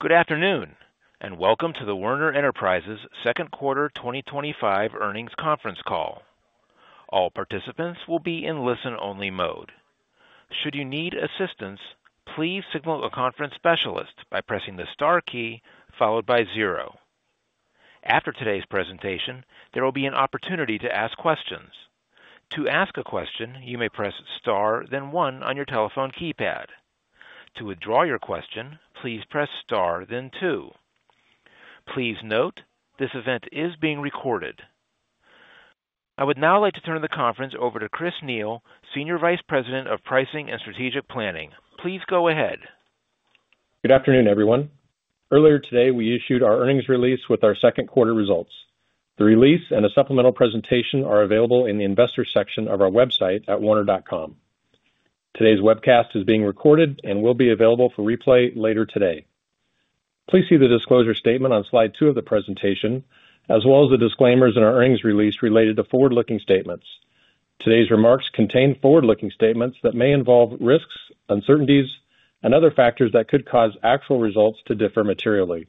Good afternoon and welcome to the Werner Enterprises second quarter 2025 earnings conference call. All participants will be in listen-only mode. Should you need assistance, please signal a conference specialist by pressing the Star key followed by zero. After today's presentation, there will be an opportunity for questions. Opportunity to ask questions. To ask a question, you may press Star then one on your telephone keypad. To withdraw your question, please press Star then two. Please note this event is being recorded. I would now like to turn the conference over to Chris Neil, Senior Vice President. President of Pricing and Strategic Planning. Please go ahead. Good afternoon everyone. Earlier today we issued our earnings release with our second quarter results. The release and a supplemental presentation are available in the Investors section of our website at werner.com. Today's webcast is being recorded and will be available for replay later today. Please see the disclosure statement on slide 2 of the presentation as well as the disclaimers in our earnings release related to forward-looking statements. Today's remarks contain forward-looking statements that may involve risks, uncertainties, and other factors that could cause actual results to differ materially.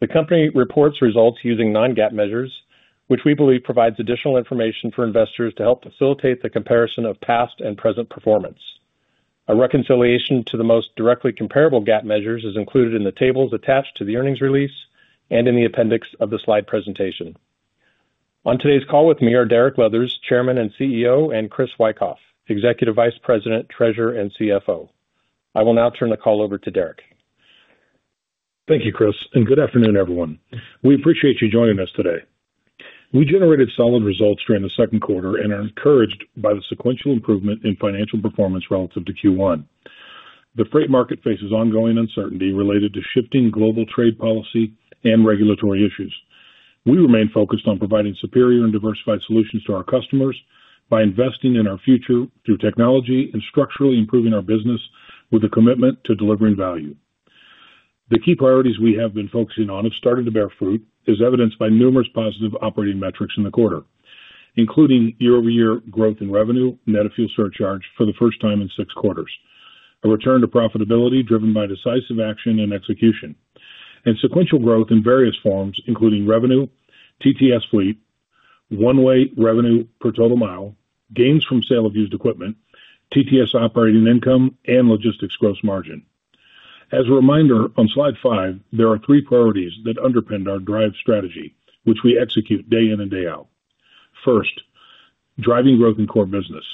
The Company reports results using non-GAAP measures, which we believe provides additional information for investors to help facilitate the comparison of past and present performance. A reconciliation to the most directly comparable GAAP measures is included in the tables attached to the earnings release and in the appendix of the slide presentation. On today's call with me are Derek Leathers, Chairman and CEO, and Chris Wikoff, Executive Vice President, Treasurer, and CFO. I will now turn the call over to Derek. Thank you, Chris, and good afternoon everyone. We appreciate you joining us today. We generated solid results during the second quarter and are encouraged by the sequential improvement in financial performance relative to Q1. The freight market faces ongoing uncertainty related to shifting global trade policy and regulatory issues. We remain focused on providing superior and diversified solutions to our customers by investing in our future through technology and structurally improving our business with a commitment to delivering value. The key priorities we have been focusing on have started to bear fruit as evidenced by numerous positive operating metrics in the quarter, including year-over-year growth in revenue, net of fuel surcharge for the first time in six quarters, a return to profitability driven by decisive action and execution, and sequential growth in various forms including revenue, TTS fleet one-way revenue per total mile, gains from sale of used equipment, TTS operating income, and logistics gross margin. As a reminder on slide 5, there are three priorities that underpin our DRIVE strategy, which we execute day in and day out. First, driving growth in core business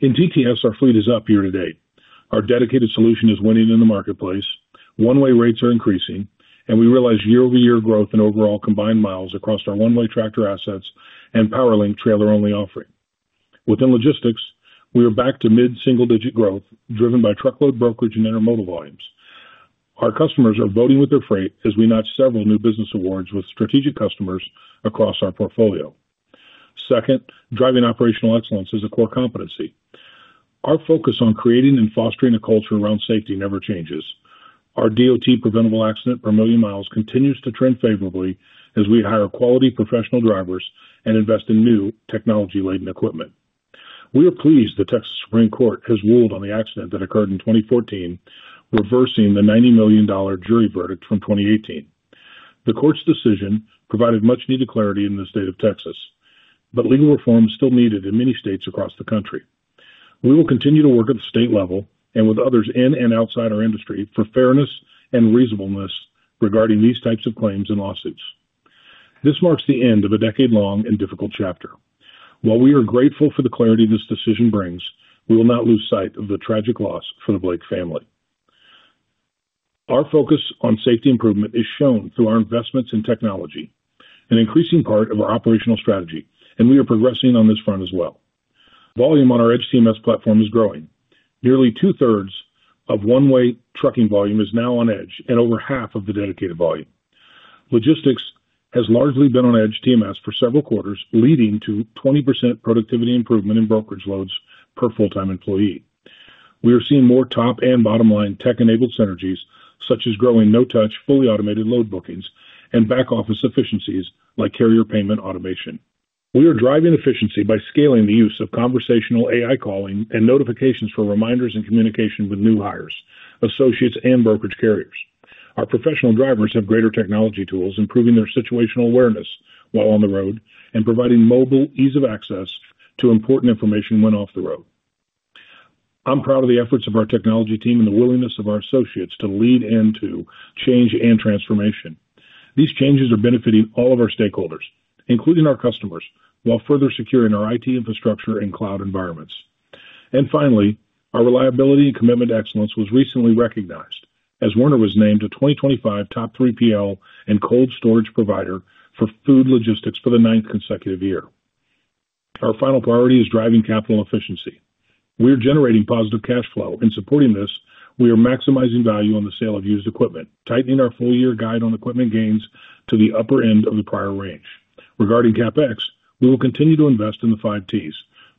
in DTS. Our fleet is up year to date. Our dedicated solution is winning in the marketplace. One-way rates are increasing and we realize year-over-year growth in overall combined miles across our one-way tractor assets and PowerLink trailer-only offering. Within logistics, we are back to mid-single-digit growth driven by Truckload Brokerage and Intermodal Services volumes. Our customers are voting with their freight as we notch several new business awards with strategic customers across our portfolio. Second, driving operational excellence is a core competency. Our focus on creating and fostering a culture around safety never changes. Our DOT preventable accident per million miles continues to trend favorably as we hire quality professional drivers and invest in new technology-laden equipment. We are pleased the Texas Supreme Court has ruled on the accident that occurred in 2014, reversing the $90 million jury verdict from 2018. The court's decision provided much-needed clarity in the state of Texas, but legal reform is still needed in many states across the country. We will continue to work at the state level and with others in and outside our industry for fairness and reasonableness regarding these types of claims and lawsuits. This marks the end of a decade-long and difficult chapter. While we are grateful for the clarity this decision brings, we will not lose sight of the tragic loss for the Blake family. Our focus on safety improvement is shown through our investments in technology, an increasing part of our operational strategy, and we are progressing on this front as well. Volume on our Werner EDGE TMS Platform is growing. Nearly two-thirds of one-way trucking volume is now on EDGE, and over half of the dedicated volume. Logistics has largely been on EDGE TMS for several quarters, leading to 20% productivity improvement in brokerage loads per full-time employee. We are seeing more top and bottom line tech-enabled synergies such as growing no-touch, fully automated load bookings and back office efficiencies like carrier payment automation. We are driving efficiency by scaling the use of conversational AI calling and notifications for reminders and communication with new hires, associates, and brokerage carriers. Our professional drivers have greater technology tools, improving their situational awareness while on the road and providing mobile ease of access to important information when off the road. I'm proud of the efforts of our technology team and the willingness of our associates to lead into change and transformation. These changes are benefiting all of our stakeholders including our customers while further securing our IT infrastructure and cloud environments. Finally, our reliability and commitment to excellence was recently recognized as Werner was named a 2025 Top 3PL and Cold Storage Provider for Food Logistics for the ninth consecutive year. Our final priority is driving capital efficiency. We're generating positive cash flow and supporting this. We are maximizing value on the sale of used equipment, tightening our full year guide on equipment gains to the upper end of the prior range. Regarding CapEx, we will continue to invest in the 5 T's: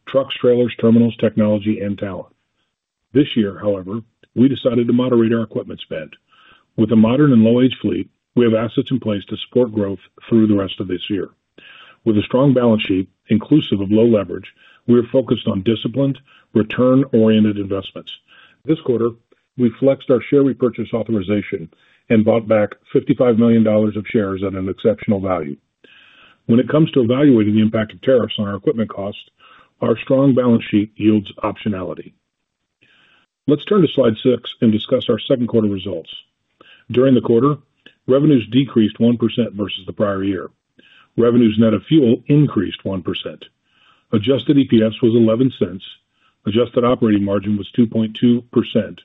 trucks, trailers, terminals, technology, and talent this year. However, we decided to moderate our equipment spend with a modern and low age fleet. We have assets in place to support growth through the rest of this year. With a strong balance sheet inclusive of low leverage, we are focused on disciplined return-oriented investments. This quarter we flexed our share repurchase authorization and bought back $55 million of shares at an exceptional value. When it comes to evaluating the impact of tariffs on our equipment costs, our strong balance sheet yields optionality. Let's turn to Slide 6 and discuss our second quarter results. During the quarter, revenues decreased 1% versus the prior year. Revenues net of fuel increased 1%, adjusted EPS was $0.11, adjusted operating margin was 2.2%,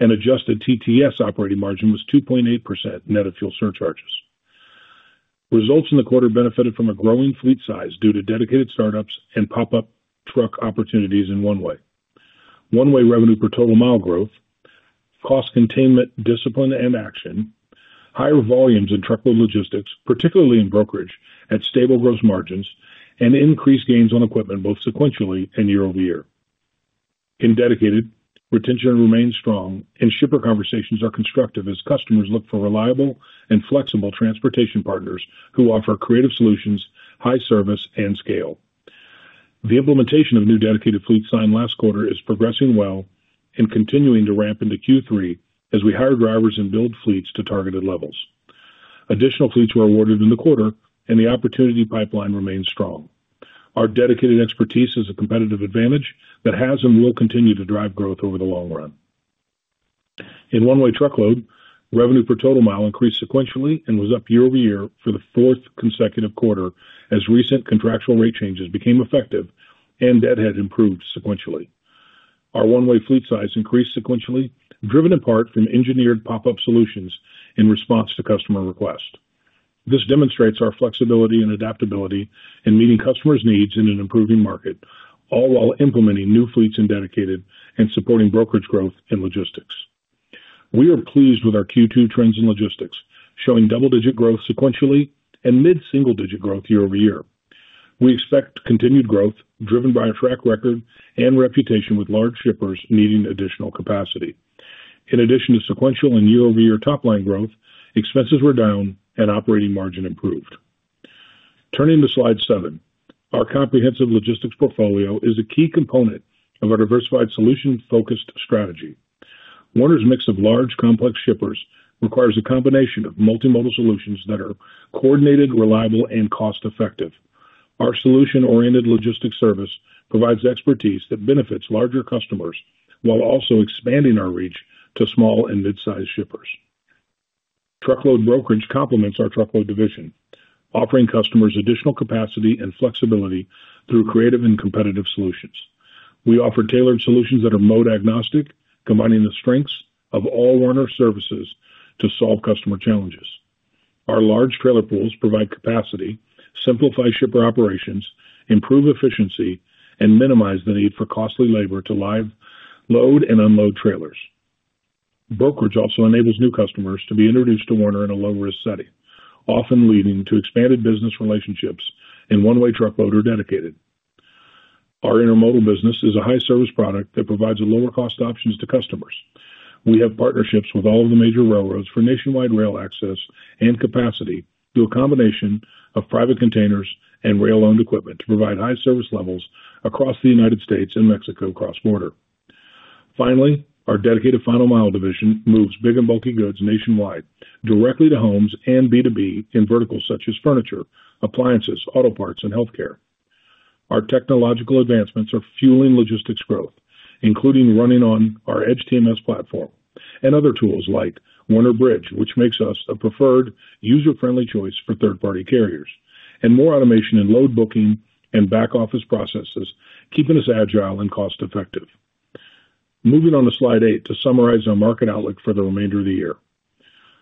and adjusted TTS operating margin was 2.8% net of fuel surcharges. Results in the quarter benefited from a growing fleet size due to dedicated startups and pop up truck opportunities in one-way. One-way revenue per total mile growth, cost containment, discipline and action, higher volumes in truckload logistics, particularly in brokerage at stable gross margins, and increased gains on equipment both sequentially and year-over-year. In dedicated, retention remains strong and shipper conversations are constructive as customers look for reliable and flexible transportation partners who offer creative solutions, high service, and scale. The implementation of new dedicated fleet sign last quarter is progressing well and continuing to ramp into Q3 as we hire drivers and build fleets to targeted levels. Additional fleets were awarded in the quarter and the opportunity pipeline remains strong. Our dedicated expertise is a competitive advantage that has and will continue to drive growth over the long run. In one way, truckload revenue per total mile increased sequentially and was up year-over-year for the fourth consecutive quarter, as recent contractual rate changes became effective and deadhead improved sequentially. Our one-way fleet size increased sequentially, driven apart from engineered pop-up solutions in response to customer requests. This demonstrates our flexibility and adaptability in meeting customers' needs in an improving market, all while implementing new fleets in Dedicated and supporting brokerage growth in Logistics. We are pleased with our Q2 trends in Logistics, showing double-digit growth sequentially and mid-single-digit growth year-over-year. We expect continued growth driven by a track record and reputation with large shippers needing additional capacity. In addition to sequential and year-over-year top line growth, expenses were down and operating margin improved. Turning to slide 7, our comprehensive Logistics portfolio is a key component of our diversified, solution-focused strategy. One is a mix of large, complex shippers. Regional requires a combination of multimodal solutions that are coordinated, reliable, and cost effective. Our solution-oriented Logistics service provides expertise that benefits larger customers while also expanding our reach to small and mid-sized shippers. Truckload Brokerage complements our truckload division, offering customers additional capacity and flexibility through creative and competitive solutions. We offer tailored solutions that are mode agnostic, combining the strengths of all Werner services to solve customer challenges. Our large trailer pools provide capacity, simplify shipper operations, improve efficiency, and minimize the need for costly labor to live load and unload trailers. Brokerage also enables new customers to be introduced to Werner in a low-risk setting, often leading to expanded business relationships in one-way, truckload, or Dedicated. Our Intermodal business is a high-service product that provides a lower-cost option to customers. We have partnerships with all of the major railroads for nationwide rail access and capacity through a combination of private containers and rail-owned equipment to provide high service levels across the United States and Mexico cross border. Finally, our dedicated Final Mile Services division moves big and bulky goods nationwide directly to homes and B2B in verticals such as furniture, appliances, auto parts, and healthcare. Our technological advancements are fueling logistics growth, including running on our Werner EDGE TMS Platform and other tools like Werner Bridge, which makes us a preferred user-friendly choice for third-party carriers and enables more automation in load booking and back office processes, keeping us agile and cost effective. Moving on to Slide 8 to summarize our market outlook for the remainder of the year,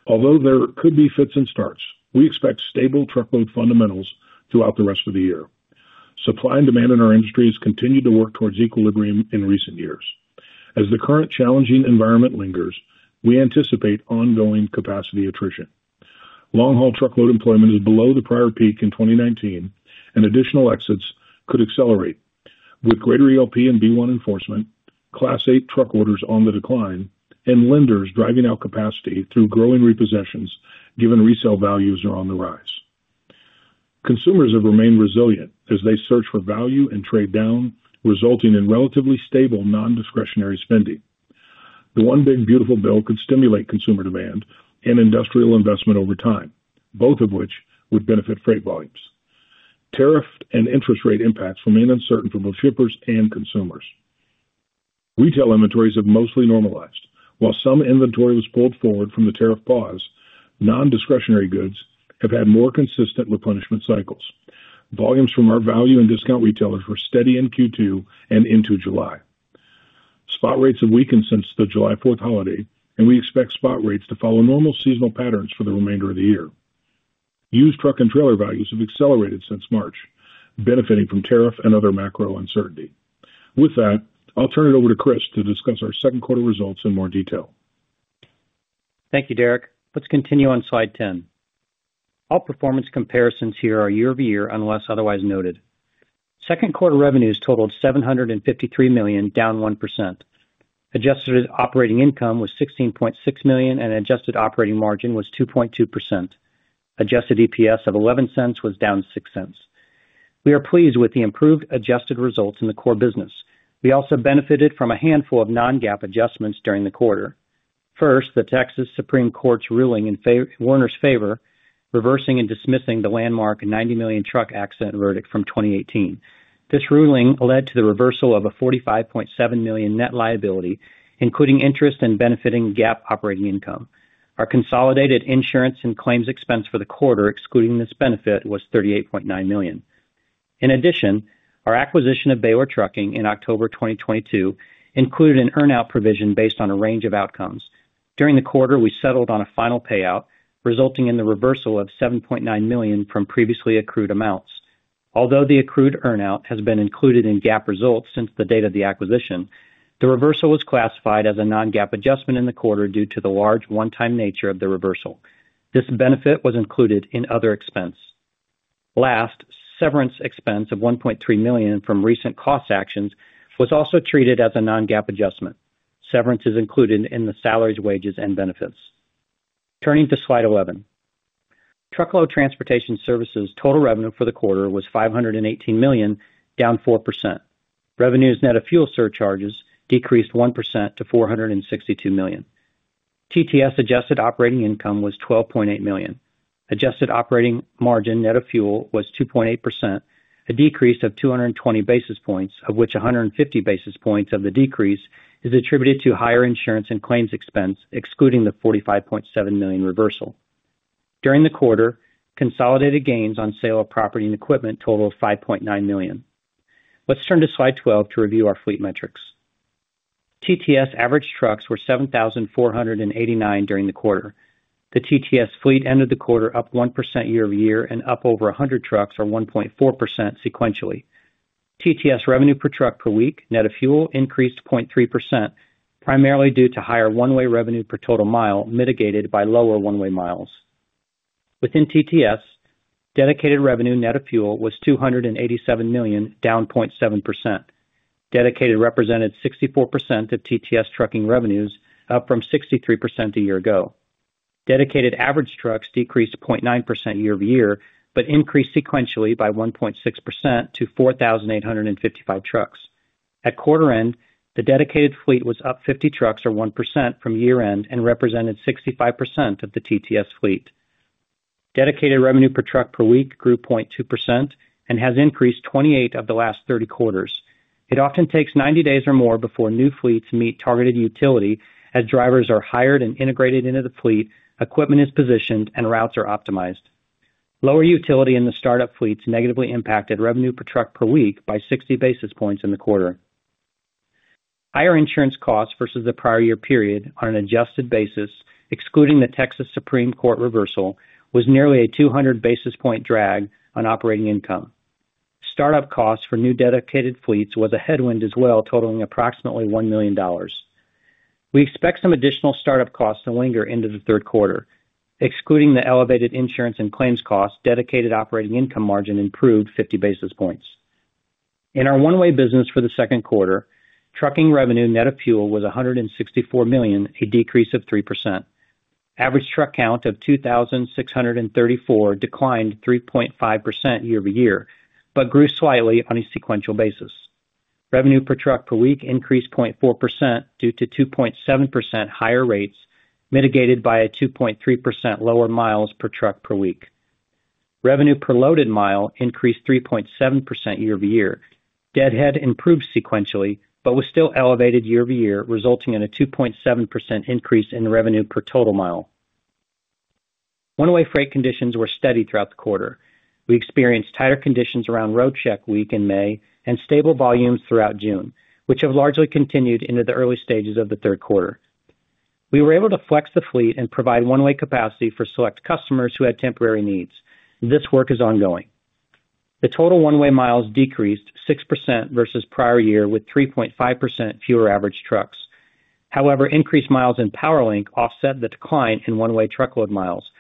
although there could be fits and starts, we expect stable truckload fundamentals throughout the rest of the year. Supply and demand in our industry has continued to work towards equilibrium in recent years. As the current challenging environment lingers, we anticipate ongoing capacity attrition. Long haul truckload employment is below the prior peak in 2019, and additional exits could accelerate with greater ELD and B1 enforcement. Class 8 truck orders are on the decline, and lenders are driving out capacity through growing repossessions, given resale values are on the rise. Consumers have remained resilient as they search for value and trade down, resulting in relatively stable non-discretionary spending. The one big beautiful bill could stimulate consumer demand and industrial investment over time, both of which would benefit freight volumes. Tariff and interest rate impacts remain uncertain for both shippers and consumers. Retail inventories have mostly normalized, while some inventory was pulled forward from the tariff pause. Non-discretionary goods have had more consistent replenishment cycles. Volumes from our value and discount retailers were steady in Q2 and into July. Spot rates have weakened since the July 4th holiday, and we expect spot rates to follow normal seasonal patterns for the remainder of the year. Used truck and trailer values have accelerated since March, benefiting from tariff and other macro uncertainty. With that, I'll turn it over to Chris to discuss our second quarter results in more detail. Thank you, Derek. Let's continue on slide 10. All performance comparisons here are year-over-year unless otherwise noted. Second quarter revenues totaled $753 million, down 1%. Adjusted operating income was $16.6 million and adjusted operating margin was 2.2%. Adjusted EPS of $0.11 was down $0.06. We are pleased with the improved adjusted results in the core business. We also benefited from a handful of non-GAAP adjustments during the quarter. First, the Texas Supreme Court's ruling in Werner's favor reversing and dismissing the landmark $90 million truck accident verdict from 2018. This ruling led to the reversal of a $45.7 million net liability including interest and benefiting GAAP operating income. Our consolidated insurance and claims expense for the quarter excluding this benefit was $38.9 million. In addition, our acquisition of Baylor Trucking in October 2022 included an earnout provision based on a range of outcomes. During the quarter, we settled on a final payout resulting in the reversal of $7.9 million from previously accrued amounts. Although the accrued earnout has been included in GAAP results since the date of the acquisition, the reversal was classified as a non-GAAP adjustment in the quarter due to the large one-time nature of the reversal. This benefit was included in other expense. Last, severance expense of $1.3 million from recent cost actions was also treated as a non-GAAP adjustment. Severance is included in the salaries, wages and benefits. Turning to slide 11, Truckload Transportation Services total revenue for the quarter was $518 million, down 4%. Revenues net of fuel surcharges decreased 1% to $462 million. TTS adjusted operating income was $12.8 million. Adjusted operating margin net of fuel was 2.8%, a decrease of 220 basis points of which 150 basis points of the decrease is attributed to higher insurance and claims expense. Excluding the $45.7 million reversal during the quarter, consolidated gains on sale of property and equipment totaled $5.9 million. Let's turn to slide 12 to review our fleet metrics. TTS average trucks were 7,489 during the quarter. The TTS fleet ended the quarter up 1% year-over-year and up over 100 trucks, or 1.4%. Sequentially, TTS revenue per truck per week net of fuel increased 0.3% primarily due to higher one-way revenue per total mile mitigated by lower one-way miles within TTS. Dedicated revenue net of fuel was $287 million, down 0.7%. Dedicated represented 64% of TTS trucking revenues, up from 63% a year ago. Dedicated average trucks decreased 0.9% year-over-year but increased sequentially by 1.6% to 4,855 trucks at quarter end. The dedicated fleet was up 50 trucks or 1% from year end and represented 65% of the TTS fleet. Dedicated revenue per truck per week grew 0.2% and has increased 28 of the last 30 quarters. It often takes 90 days or more before new fleets meet targeted utility as drivers are hired and integrated into the fleet, equipment is positioned, and routes are optimized. Lower utility in the startup fleets negatively impacted revenue per truck per week by 60 basis points in the quarter. Higher insurance costs versus the prior year period on an adjusted basis excluding the Texas Supreme Court reversal was nearly a 200 basis point drag on operating income. Startup costs for new dedicated fleets were a headwind as well, totaling approximately $1 million. We expect some additional startup costs to linger into the third quarter. Excluding the elevated insurance and claims costs, dedicated operating income margin improved 50 basis points in our one way business for the second quarter. Trucking revenue net of fuel was $164 million, a decrease of 3%. Average truck count of 2,634 declined 3.5% year-over-year but grew slightly on a sequential basis. Revenue per truck per week increased 0.4% due to 2.7% higher rates mitigated by a 2.3% lower miles per truck per week. Revenue per loaded mile increased 3.7% year-over-year. Deadhead improved sequentially but was still elevated year-over-year, resulting in a 2.7% increase in revenue per total mileage. One way freight conditions were steady throughout the quarter. We experienced tighter conditions around road check week in May and stable volumes throughout June, which have largely continued into the early stages of the third quarter. We were able to flex the fleet and provide one way capacity for select customers who had temporary needs. This work is ongoing. The total one way miles decreased 6% versus prior year with 3.5% fewer average trucks. However, increased miles in PowerLink offset the decline in one way truckload miles,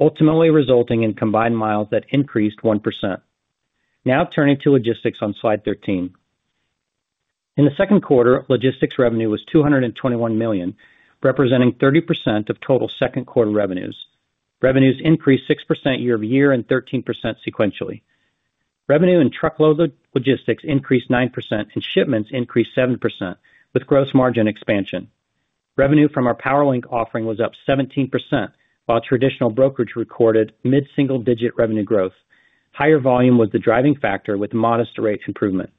ultimately resulting in combined miles that increased 1%. Now turning to logistics on slide 13, in the second quarter, logistics revenue was $221 million, representing 30% of total second quarter revenues. Revenues increased 6% year-over-year and 13% sequentially. Revenue in Truckload Logistics increased 9% and shipments increased 7% with gross margin expansion. Revenue from our PowerLink offering was up 17% while traditional brokerage recorded mid single digit revenue growth. Higher volume was the driving factor with modest rate improvement.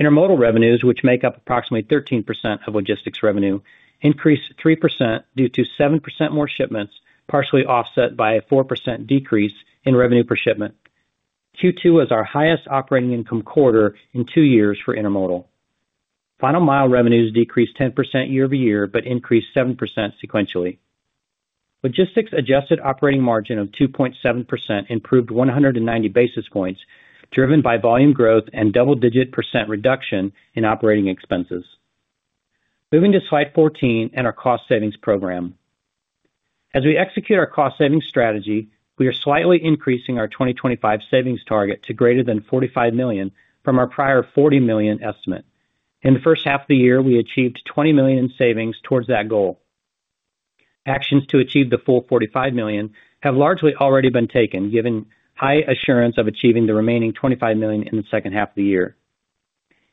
Intermodal revenues, which make up approximately 13% of logistics revenue, increased 3% due to 7% more shipments, partially offset by a 4% decrease in revenue per shipment. Q2 was our highest operating income quarter in two years for Intermodal. Final Mile Services revenues decreased 10% year-over-year but increased 7% sequentially. Logistics adjusted operating margin of 2.7% improved 190 basis points driven by volume growth and double digit percent reduction in operating expenses. Moving to Slide 14 and our Cost Savings Program, as we execute our cost savings strategy, we are slightly increasing our 2025 savings target to greater than $45 million from our prior $40 million estimate. In the first half of the year, we achieved $20 million in savings towards that goal. Actions to achieve the full $45 million have largely already been taken, given high assurance of achieving the remaining $25 million in the second half of the year.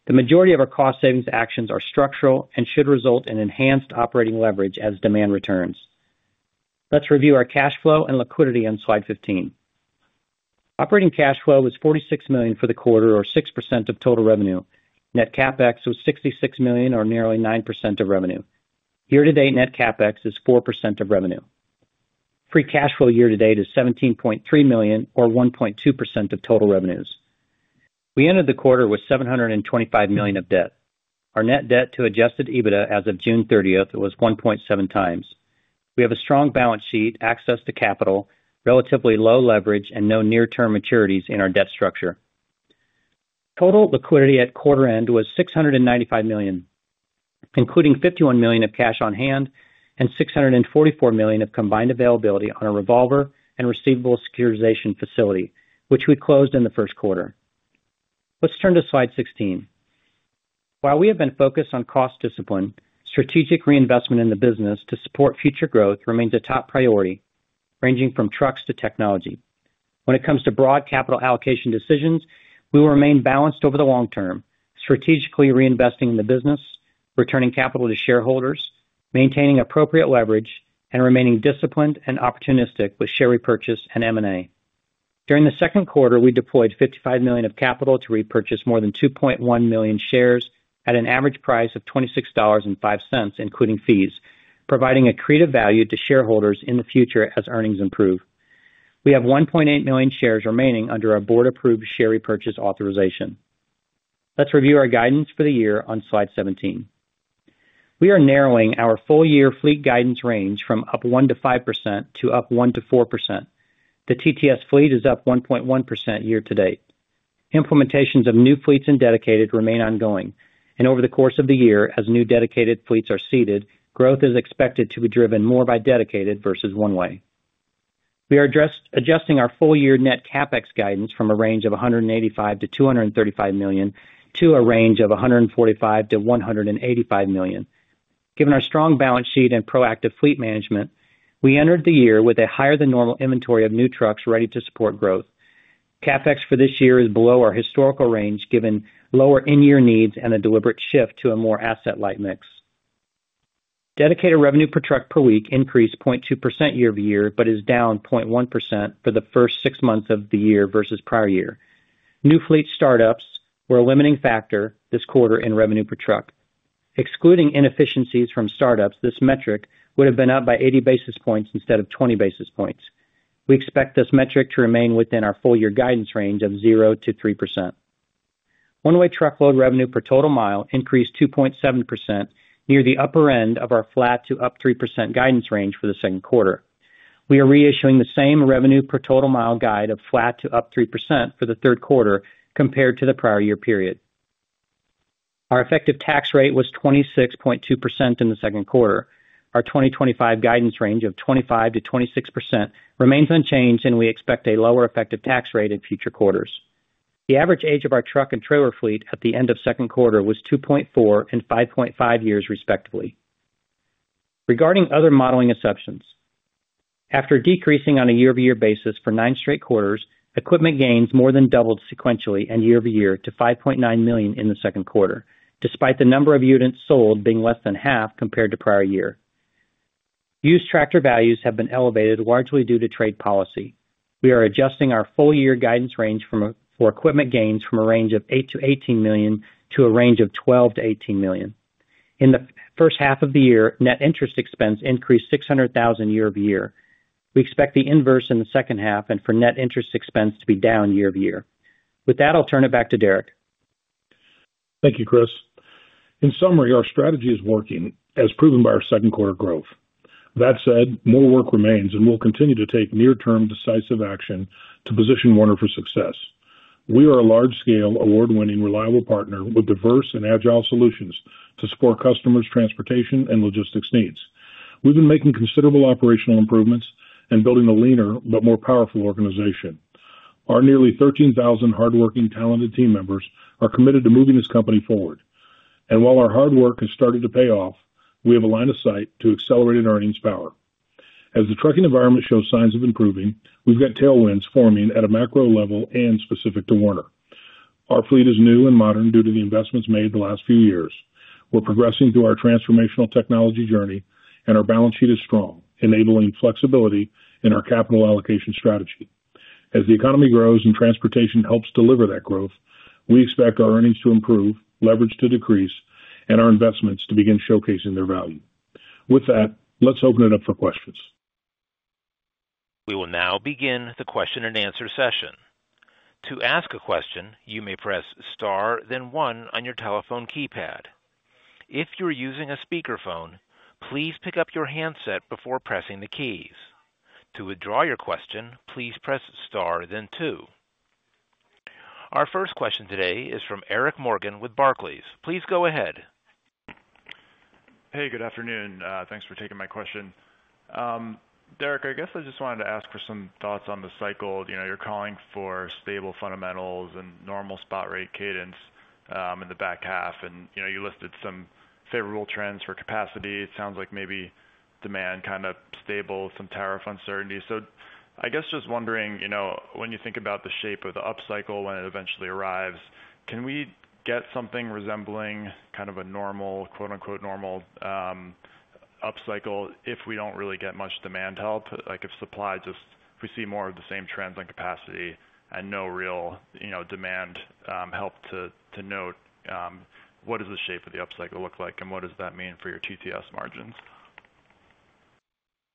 The majority of our cost savings actions are structural and should result in enhanced operating leverage as demand returns. Let's review our cash flow and liquidity on Slide 15. Operating cash flow was $46 million for the quarter or 6% of total revenue. Net CapEx was $66 million or nearly 9% of revenue year to date. Net CapEx is 4% of revenue. Free cash flow year to date is $17.3 million or 1.2% of total revenues. We ended the quarter with $725 million of debt. Our net debt to adjusted EBITDA as of June 30 was 1.7 times. We have a strong balance sheet, access to capital, relatively low leverage, and no near term maturities in our debt structure. Total liquidity at quarter end was $695 million, including $51 million of cash on hand and $644 million of combined availability on a revolver and receivable securitization facility, which we closed in the first quarter. Let's turn to Slide 16. While we have been focused on cost discipline, strategic reinvestment in the business to support future growth remains a top priority, ranging from trucks to technology. When it comes to broad capital allocation decisions, we will remain balanced over the long term, strategically reinvesting in the business, returning capital to shareholders, maintaining appropriate leverage, and remaining disciplined and opportunistic with share repurchase and M&A. During the second quarter, we deployed $55 million of capital to repurchase more than 2.1 million shares at an average price of $26.05, including fees, providing accretive value to shareholders. In the future, as earnings improve, we have 1.8 million shares remaining under our board-approved share repurchase authorization. Let's review our guidance for the year. On slide 17, we are narrowing our full year fleet guidance range from up 1%-5% to up 1%-4%. The TTS fleet is up 1.1% year to date. Implementations of new fleets in Dedicated remain ongoing, and over the course of the year, as new Dedicated fleets are seeded, growth is expected to be driven more by Dedicated versus One-Way. We are adjusting our full year net CapEx guidance from a range of $185 million-$235 million to a range of $145 million-$185 million. Given our strong balance sheet and proactive fleet management, we entered the year with a higher than normal inventory of new trucks ready to support growth. CapEx for this year is below our historical range given lower end-year needs and a deliberate shift to a more asset-light mix. Dedicated revenue per truck per week increased 0.2% year-over-year but is down 0.1% for the first six months of the year versus prior year. New fleet startups were a limiting factor this quarter in revenue per truck. Excluding inefficiencies from startups, this metric would have been up by 80 basis points instead of 20 basis points. We expect this metric to remain within our full year guidance range of 0%-3%. One-Way Truckload revenue per total mile increased 2.7%, near the upper end of our flat to up 3% guidance range for the second quarter. We are reissuing the same revenue per total mile guide of flat to up 3% for the third quarter compared to the prior year period. Our effective tax rate was 26.2% in the second quarter. Our 2025 guidance range of 25%-26% remains unchanged, and we expect a lower effective tax rate in future quarters. The average age of our truck and trailer fleet at the end of the second quarter was 2.4 and 5.5 years, respectively. Regarding other modeling assumptions, after decreasing on a year-over-year basis for nine straight quarters, equipment gains more than doubled sequentially and year-over-year to $5.9 million in the second quarter. Despite the number of units sold being less than half compared to prior year, used tractor values have been elevated largely due to trade policy. We are adjusting our full year guidance range for equipment gains from a range of $8 million-$18 million to a range of $12 million-$18 million in the first half of the year. Net interest expense increased $600,000 year-over-year. We expect the inverse in the second half and for net interest expense to be down year-over-year. With that, I'll turn it back to Derek. Thank you, Chris. In summary, our strategy is working as proven by our second quarter growth. That said, more work remains, and we'll continue to take near-term decisive action to position Werner for success. We are a large-scale, award-winning, reliable partner with diverse and agile solutions to support customers' transportation and logistics needs. We've been making considerable operational improvements and building a leaner but more powerful organization. Our nearly 13,000 hardworking, talented team members are committed to moving this company forward. While our hard work has started to pay off, we have a line of sight to accelerated earnings power as the trucking environment shows signs of improving. We've got tailwinds forming at a macro level and specific to Werner. Our fleet is new and modern due to the investments made the last few years. We're progressing through our transformational technology journey, and our balance sheet is strong, enabling flexibility in our capital allocation strategy. As the economy grows and transportation helps deliver that growth, we expect our earnings to improve, leverage to decrease, and our investments to begin showcasing their value. With that, let's open it up for questions. We will now begin the question-and-answer session. To ask a question, you may press star then one on your telephone keypad. If you're using a speakerphone, please pick up your handset before pressing the keys. Up your handset before pressing the keys. To withdraw your question, please press star then two. Our first question today is from Eric Morgan with Barclays. Please go ahead. Hey, good afternoon. Thanks for taking my question, Derek. I guess I just wanted to ask for some thoughts on the cycle. You know you're calling for stable fundamentals and normal spot rate cadence in the back half, and you listed some favorable trends for capacity. It sounds like maybe demand is kind of stable, some tariff uncertainty. I guess just wondering when you think about the shape of the upcycle when it eventually arrives, can we get something resembling a normal upcycle if we don't really get much demand help? If supply just, we see more of the same trends on capacity and no real demand help to note, what does the shape of the upcycle look like and what does that mean for your TTS margins?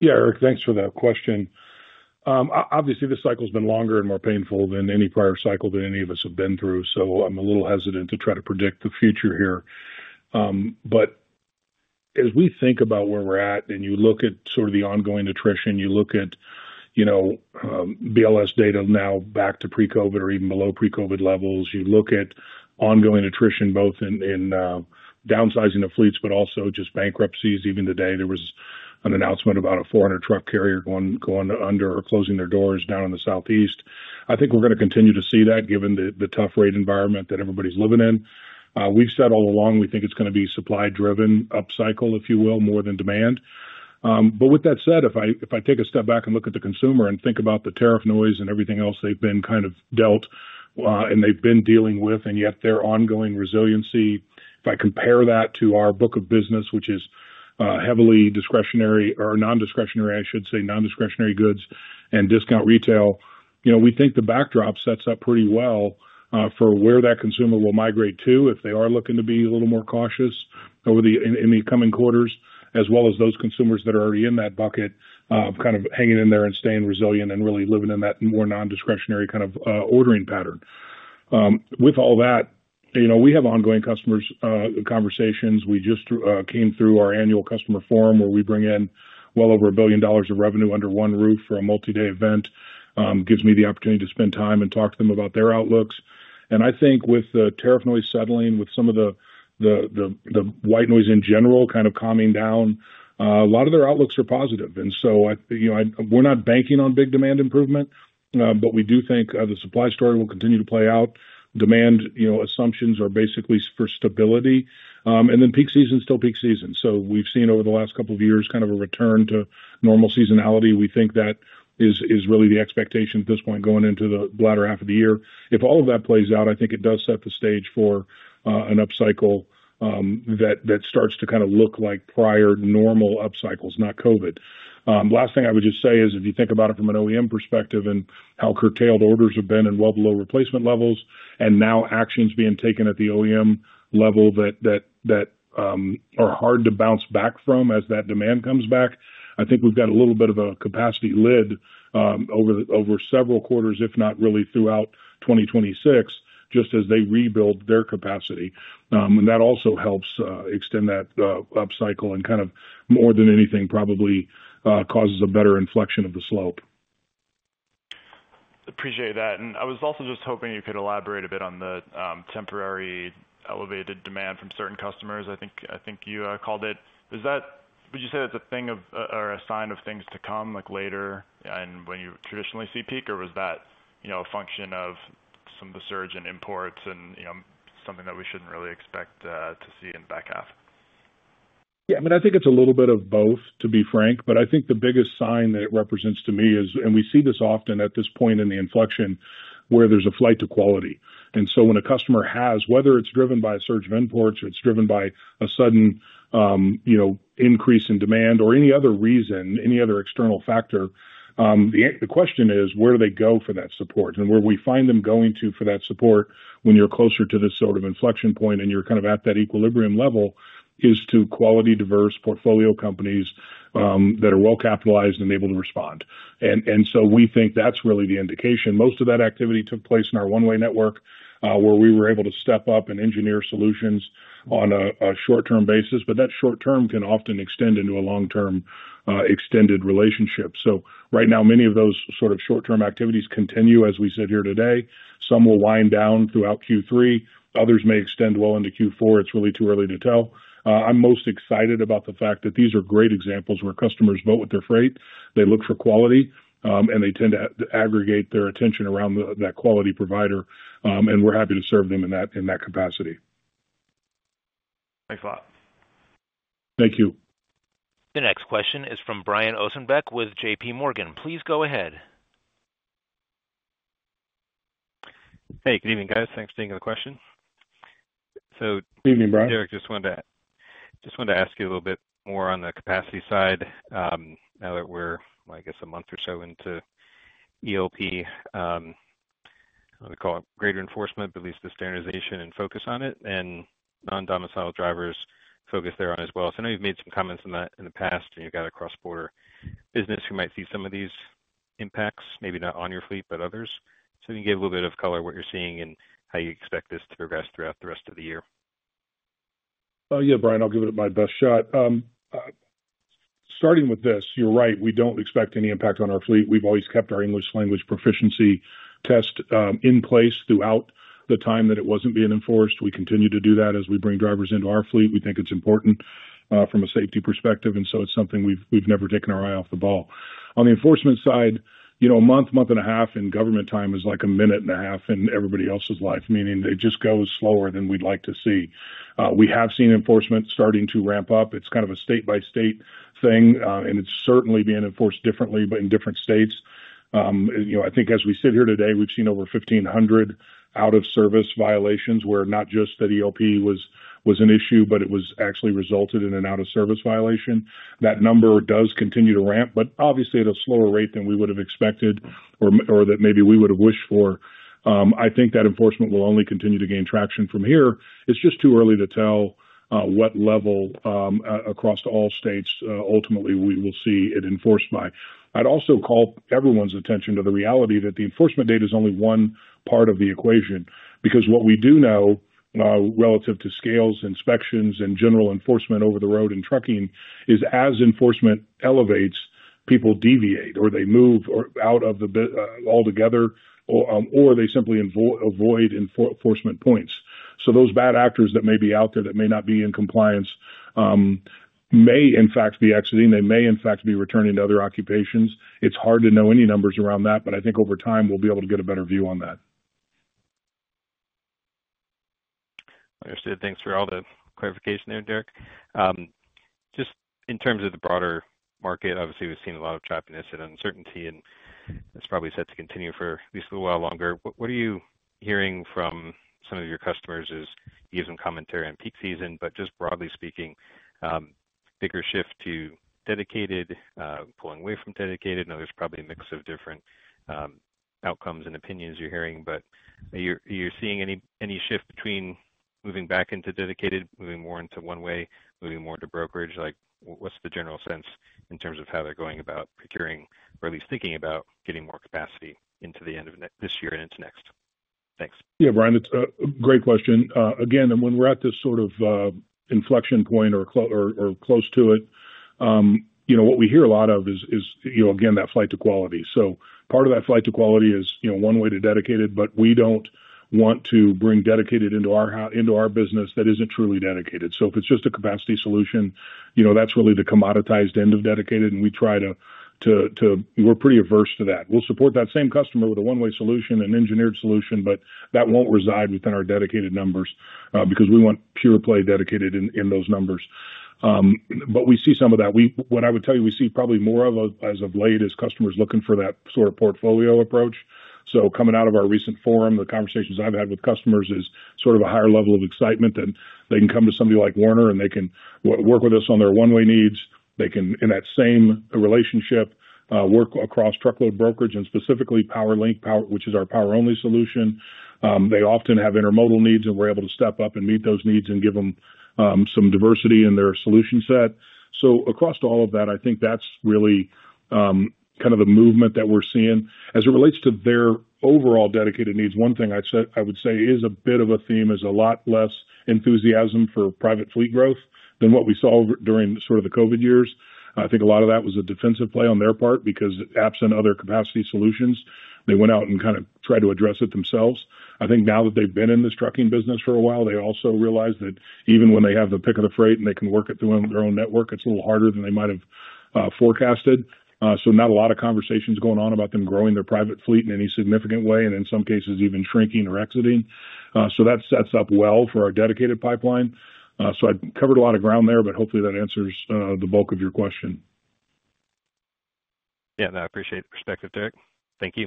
Yeah, Eric, thanks for that question. Obviously, this cycle has been longer and more painful than any prior cycle that any of us have been through. I'm a little hesitant to try to predict the future here. As we think about where we're at and you look at sort of the ongoing attrition, you look at BLS data now back to pre-COVID or even below pre-COVID levels, you look at ongoing attrition, both in downsizing the fleets but also just bankruptcies. Even today, there was an announcement about a 400-truck carrier going under or closing their doors down in the Southeast. I think we're going to continue to see that given the tough rate environment that everybody's living in. We've said all along we think it's going to be a supply-driven upcycle, if you will, more than demand. With that said, if I take a step back and look at the consumer and think about the tariff noise and everything else they've been kind of dealt and they've been dealing with and yet their ongoing resiliency, if I compare that to our book of business, which is heavily discretionary or non-discretionary, I should say non-discretionary goods and discount retail, we think the backdrop sets up pretty well for where that consumer will migrate to if they are looking to be a little more cautious in the coming quarters, as well as those consumers that are already in that bucket kind of hanging in there and staying resilient and really living in that more non-discretionary kind of ordering pattern. With all that, we have ongoing customer conversations. We just came through our annual customer forum where we bring in well over $1 billion of revenue under one roof for a multi-day event. Gives me the opportunity to spend time and talk to them about their outlooks. I think with the tariff noise settling, with some of the white noise in general kind of calming down, a lot of their outlooks are positive. We're not banking on big demand improvement, but we do think the supply story will continue to play out. Demand assumptions are basically for stability and then peak season, still peak season. We've seen over the last couple of years kind of a return to normal seasonality. We think that is really the expectation at this point going into the latter half of the year. If all of that plays out, I think it does set the stage for an upcycle that starts to kind of look like prior normal upcycles, not Covid. Last thing I would just say is if you think about it from an OEM perspective and how curtailed orders have been and well below replacement levels and now actions being taken at the OEM level that are hard to bounce back from as that demand comes back. I think we've got a little bit of a capacity lid over several quarters, if not really throughout 2026, just as they rebuild their capacity and that also helps extend that upcycle and kind of more than anything probably causes a better inflection of the slope. Appreciate that. I was also just hoping you could elaborate a bit on the temporary elevated demand from certain customers I think you called it. Would you say that's a thing or a sign of things to come like later and when you traditionally see peak or was that a function of some of the surge in imports and something that we shouldn't really expect to see in the back half? I think it's a little bit of both to be frank. I think the biggest sign that it represents to me is, and we see this often at this point in the inflection where there's a flight to quality. When a customer has, whether it's driven by a surge of imports or it's driven by a sudden increase in demand or any other reason, any other external factor, the question is where do they go for that support and where we find them going to for that support. When you're closer to this sort of inflection point and you're kind of at that equilibrium level, it is to quality diverse portfolio companies that are well capitalized and able to respond. We think that's really the indication. Most of that activity took place in our one network where we were able to step up and engineer solutions on a short term basis. That short term can often extend into a long term extended relationship. Right now many of those sort of short term activities continue as we sit here today. Some will wind down throughout Q3, others may extend well into Q4. It's really too early to tell. I'm most excited about the fact that these are great examples where customers vote with their freight, they look for quality and they tend to aggregate their attention around that quality provider and we're happy to serve them in that capacity. Thanks a lot. Thank you. The next question is from Brian Ossenbeck with JPMorgan. Please go ahead. Hey, good evening, guys. Thanks for taking the question. I just wanted to. To ask you a little bit more on the capacity side, now that we're I guess a month. Or so into ELP, we call it. Greater enforcement, at least the standardization and focus on it and non-domicile drivers focus there on as well. I know you've made some comments on that in the past and you've got a cross-border business who might see some of these impacts. Maybe not on your fleet, but others. You can get a little bit of color what you're seeing and how you expect this to progress throughout the rest of the year. Yeah, Brian, I'll give it my best shot starting with this. You're right. We don't expect any impact on our fleet. We've always kept our English language proficiency test in place throughout the time that it wasn't being enforced. We continue to do that as we bring drivers into our fleet. We think it's important from a safety perspective. It's something we've never taken our eye off the ball on the enforcement side. You know, a month, month and a half in government time is like a minute and a half in everybody else's life. Meaning it just goes slower than we'd like to see. We have seen enforcement starting to ramp up. It's kind of a state-by-state thing and it's certainly being enforced differently in different states. I think as we sit here today we've seen over 1,500 out-of-service violations where not just that ELP was an issue, but it actually resulted in an out-of-service violation. That number does continue to ramp, but obviously at a slower rate than we would have expected or that maybe we would have wished for. I think that enforcement will only continue to gain traction from here. It's just too early to tell what level across all states ultimately we will see it enforced by. I'd also call everyone's attention to the reality that the enforcement data is only one part of the equation because what we do know relative to scales, inspections, and general enforcement over the road and trucking is as enforcement elevates, people deviate or they move out of the altogether or they simply avoid enforcement points. Those bad actors that may be out there, that may not be in compliance, may in fact be exiting. They may in fact be returning to other occupations. It's hard to know any numbers around that, but I think over time we'll be able to get a better view on that. Understood. Thanks for all the clarification there, Derek. Just in terms of the broader market, obviously we've seen a lot of choppiness and uncertainty and it's probably set to continue for at least a little while longer. What are you doing? Hearing from some of your customers is using commentary on peak season, but just broadly speaking, bigger shift to dedicated, pulling away from dedicated. Now there's probably a mix of different outcomes and opinions you're hearing, but you're seeing any shift between moving back into dedicated, moving more into one way, moving more into brokerage. What's the general sense in terms of how they're going about procuring or at least thinking about getting more capacity into the end of this year and into next. Thanks. Yeah, Brian, it's a great question again. When we're at this sort of inflection point or close to it, what we hear a lot of is that flight to quality. Part of that flight to quality is one way to dedicated. We don't want to bring dedicated into our business that isn't truly dedicated. If it's just a capacity solution, that's really the commoditized end of dedicated. We are pretty averse to that. We'll support that same customer with a one way solution, an engineered one, but that won't reside within our dedicated numbers because we want pure play dedicated in those numbers. We see some of that. What I would tell you we see probably more of as of late is customers looking for that sort of portfolio approach. Coming out of our recent forum, the conversations I've had with customers is a higher level of excitement and they can come to somebody like Werner and they can work with us on their one way needs. In that same relationship, they can work across Truckload Brokerage and specifically PowerLink Power, which is our power only solution. They often have Intermodal needs and we're able to step up and meet those needs and give them some diversity in their solution set. Across all of that, I think that's really kind of the movement that we're seeing as it relates to their overall dedicated needs. One thing I would say is a bit of a theme is a lot less enthusiasm for private fleet growth than what we saw during the COVID years. I think a lot of that was a defensive play on their part because absent other capacity solutions, they went out and tried to address it themselves. Now that they've been in this trucking business for a while, they also realize that even when they have the pick of the freight and they can work it through their own network, it's a little harder than they might have forecasted. Not a lot of conversations going on about them growing their private fleet in any significant way and in some cases even shrinking or exiting. That sets up well for our dedicated pipeline. I covered a lot of ground there, but hopefully that answers the bulk of your question. Yeah, no, I appreciate the perspective, Derek. Thank you.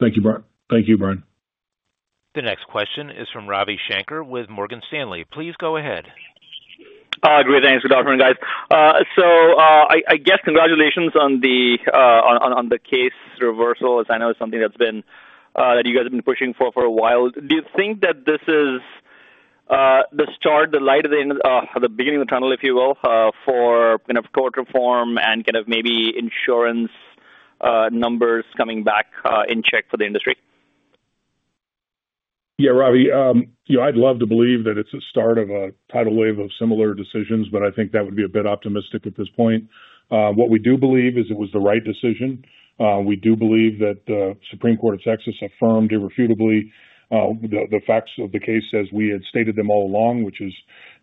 Thank you. Thank you, Brian. The next question is from Ravi Shanker with Morgan Stanley. Please go ahead. Great, thanks. Good afternoon, guys. Congratulations on the case reversal, as I know it's something that you guys have been pushing for for a while. Do you think that this is the start, the light at the end, the beginning of the tunnel, if you will, for kind of court reform and maybe insurance numbers coming back in check for the industry? Yeah. Ravi, you know, I'd love to believe that it's the start of a tidal wave of similar decisions, but I think that would be a bit optimistic at this point. What we do believe is it was the right decision. We do believe that the Texas Supreme Court affirmed irrefutably the facts of the case as we had stated them all along, which is,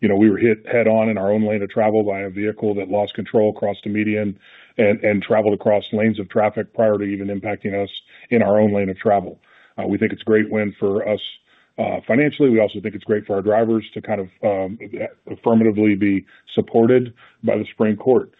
you know, we were hit head on in our own lane of travel by a vehicle that lost control across the median and traveled across lanes of traffic prior to even impacting us in our own lane of travel. We think it's a great win for us financially. We also think it's great for our drivers to kind of affirmatively be supported by the Texas Supreme Court.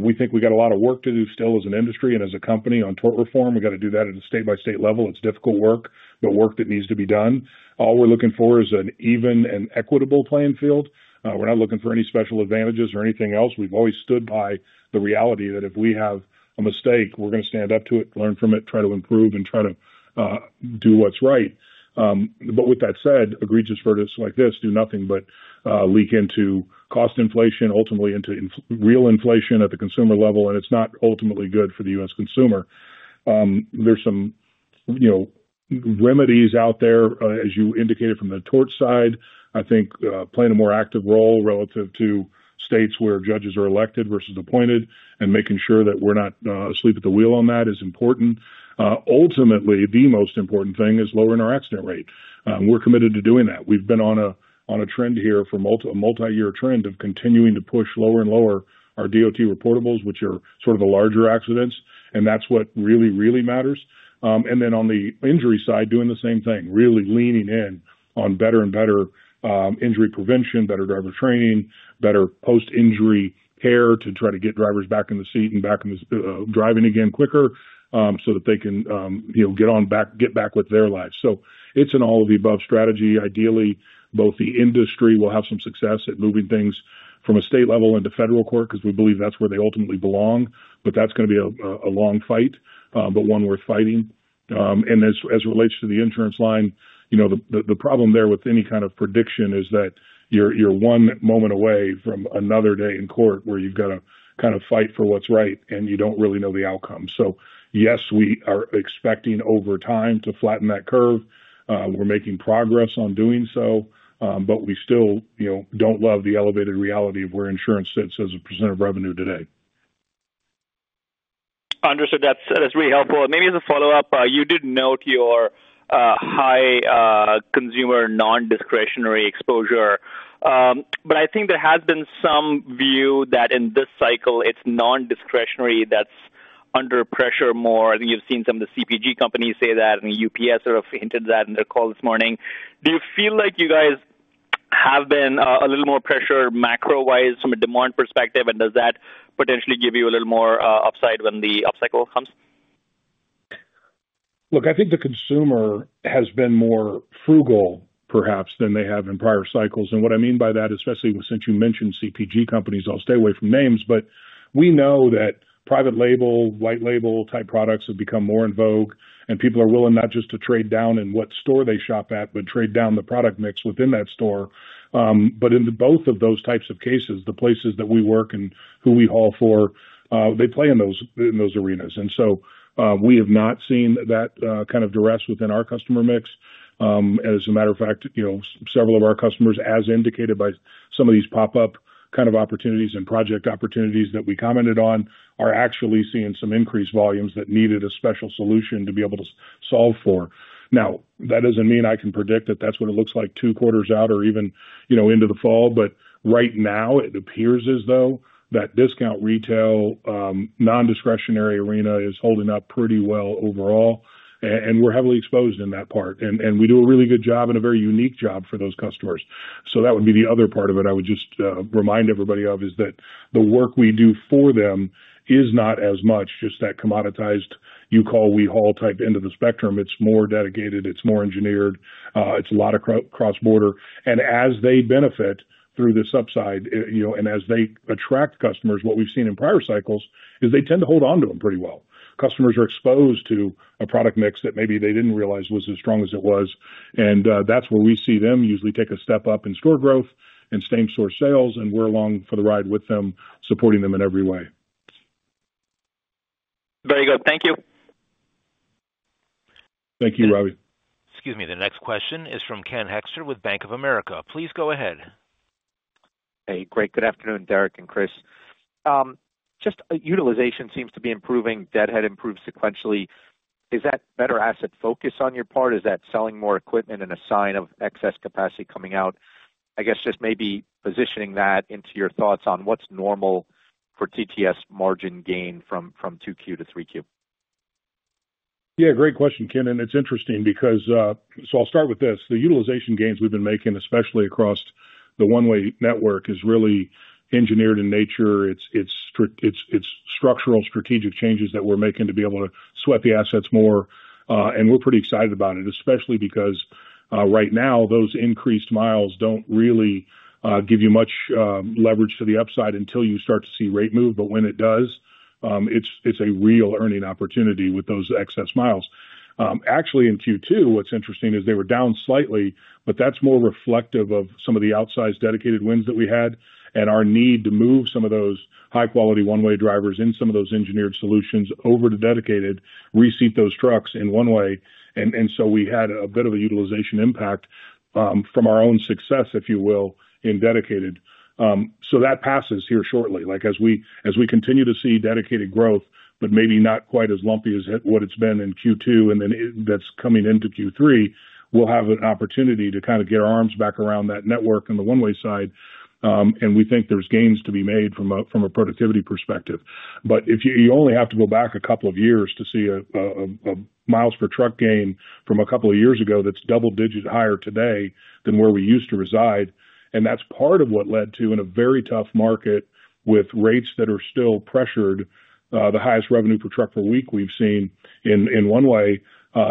We think we got a lot of work to do still as an industry and as a company on tort reform. We got to do that at a state-by-state level. It's difficult work, but work that needs to be done. All we're looking for is an even and equitable playing field. We're not looking for any special advantages or anything else. We've always stood by the reality that if we have a mistake, we're going to stand up to it, learn from it, try to improve and try to do what's right. With that said, egregious verdicts like this do nothing but leak into cost inflation, ultimately into real inflation at the consumer level. It's not ultimately good for the U.S. consumer. There are some, you know, remedies out there, as you indicated, from the tort side. I think playing a more active role relative to states where judges are elected versus appointed and making sure that we're not asleep at the wheel on that is important. Ultimately, the most important thing is lowering our accident rate. We're committed to doing that. We've been on a multi-year trend of continuing to push lower and lower our DOT reportables, which are sort of the larger accidents, and that's what really, really matters. On the injury side, doing the same thing, really leaning in on better and better injury prevention, better driver training, better post-injury care to try to get drivers back in the seat and back driving again quicker so that they can, you know, get back with their lives. It's an all-of-the-above strategy. Ideally, both the industry will have some success at moving things from a state level into federal court because we believe that's where they ultimately belong. That's going to be a long fight, but one worth fighting. As it relates to the insurance line, the problem there with any kind of prediction is that you're one moment away from another day in court where you've got to kind of fight for what's right and you don't really know the outcome. Yes, we are expecting over time to flatten that curve. We're making progress on doing so. We still don't love the elevated reality of where insurance sits as a percent of revenue today. Understood, that's really helpful. Maybe as a follow-up, you did note your high consumer non-discretionary exposure, but I think there has been some view that in this cycle it's non-discretionary that's under pressure more. You've seen some of the CPG companies say that, and UPS hinted that in the call this morning. Do you feel like you guys have been a little more pressure macro wise from a demand perspective, and does that potentially give you a little more upside when the upcycle comes? Look, I think the consumer has been more frugal perhaps than they have in prior cycles. What I mean by that, especially since you mentioned CPG companies, I'll stay away from names, but we know that private label, white label type products have become more in vogue and people are willing not just to trade down in what store they shop at, but trade down the product mix within that store. In both of those types of cases, the places that we work and who we haul for, they play in those arenas. We have not seen that kind of duress within our customer mix. As a matter of fact, several of our customers, as indicated by some of these pop up kind of opportunities and project opportunities that we commented on, are actually seeing some increased volumes that needed a special solution to be able to solve for. That doesn't mean I can predict that that's what it looks like two quarters out or even into the fall, but right now it appears as though that discount retail, non-discretionary arena is holding up pretty well overall and we're heavily exposed in that part and we do a really good job and a very unique job for those customers. That would be the other part of it I would just remind everybody of, is that the work we do for them is not as much just that commoditized you call, we haul type end of the spectrum. It's more dedicated, it's more engineered, it's a lot of cross border and as they benefit through this upside, and as they attract customers, what we've seen in prior cycles is they tend to hold onto them pretty well. Customers are exposed to a product mix that maybe they didn't realize was as strong as it was. That's where we see them usually take a step up in store growth and same store sales and we're along for the ride with them, supporting them in every way. Very good. Thank you. Thank you, Ravi. Excuse me. The next question is from Ken Hoexter. With Bank of America. Please go ahead. Great. Good afternoon, Derek and Chris. Utilization seems to be improving. Deadhead. Improved sequentially. Is that better asset focus on your part? Is that selling more equipment? Sign of excess capacity coming out? I guess just maybe positioning that into. Your thoughts on what's normal for TTS. Margin gain from 2Q to 3Q? Yeah, great question Ken. It's interesting because, I'll start with this. The utilization gains we've been making, especially across the one-way network, are really engineered in nature. It's structural, strategic changes that we're making to be able to sweat the assets more. We're pretty excited about it, especially because right now those increased miles don't really give you much leverage to the upside until you start to see rate move. When it does, it's a real earning opportunity with those excess miles. Actually, in Q2, what's interesting is they were down slightly, but that's more reflective of some of the outsized dedicated wins that we had and our need to move some of those high-quality one-way drivers in some of those engineered solutions over to dedicated, reseat those trucks in one-way. We had a bit of a utilization impact from our own success, if you will, in dedicated. That passes here shortly as we continue to see dedicated growth, but maybe not quite as lumpy as what it's been in Q2. That's coming into Q3, we'll have an opportunity to kind of get our arms back around that network on the one-way side. We think there's gains to be made from a productivity perspective. You only have to go back a couple of years to see a miles per truck gain from a couple of years ago that's double-digit higher today than where we used to reside. That's part of what led to, in a very tough market with rates that are still pressured, the highest revenue per truck per week we've seen in one-way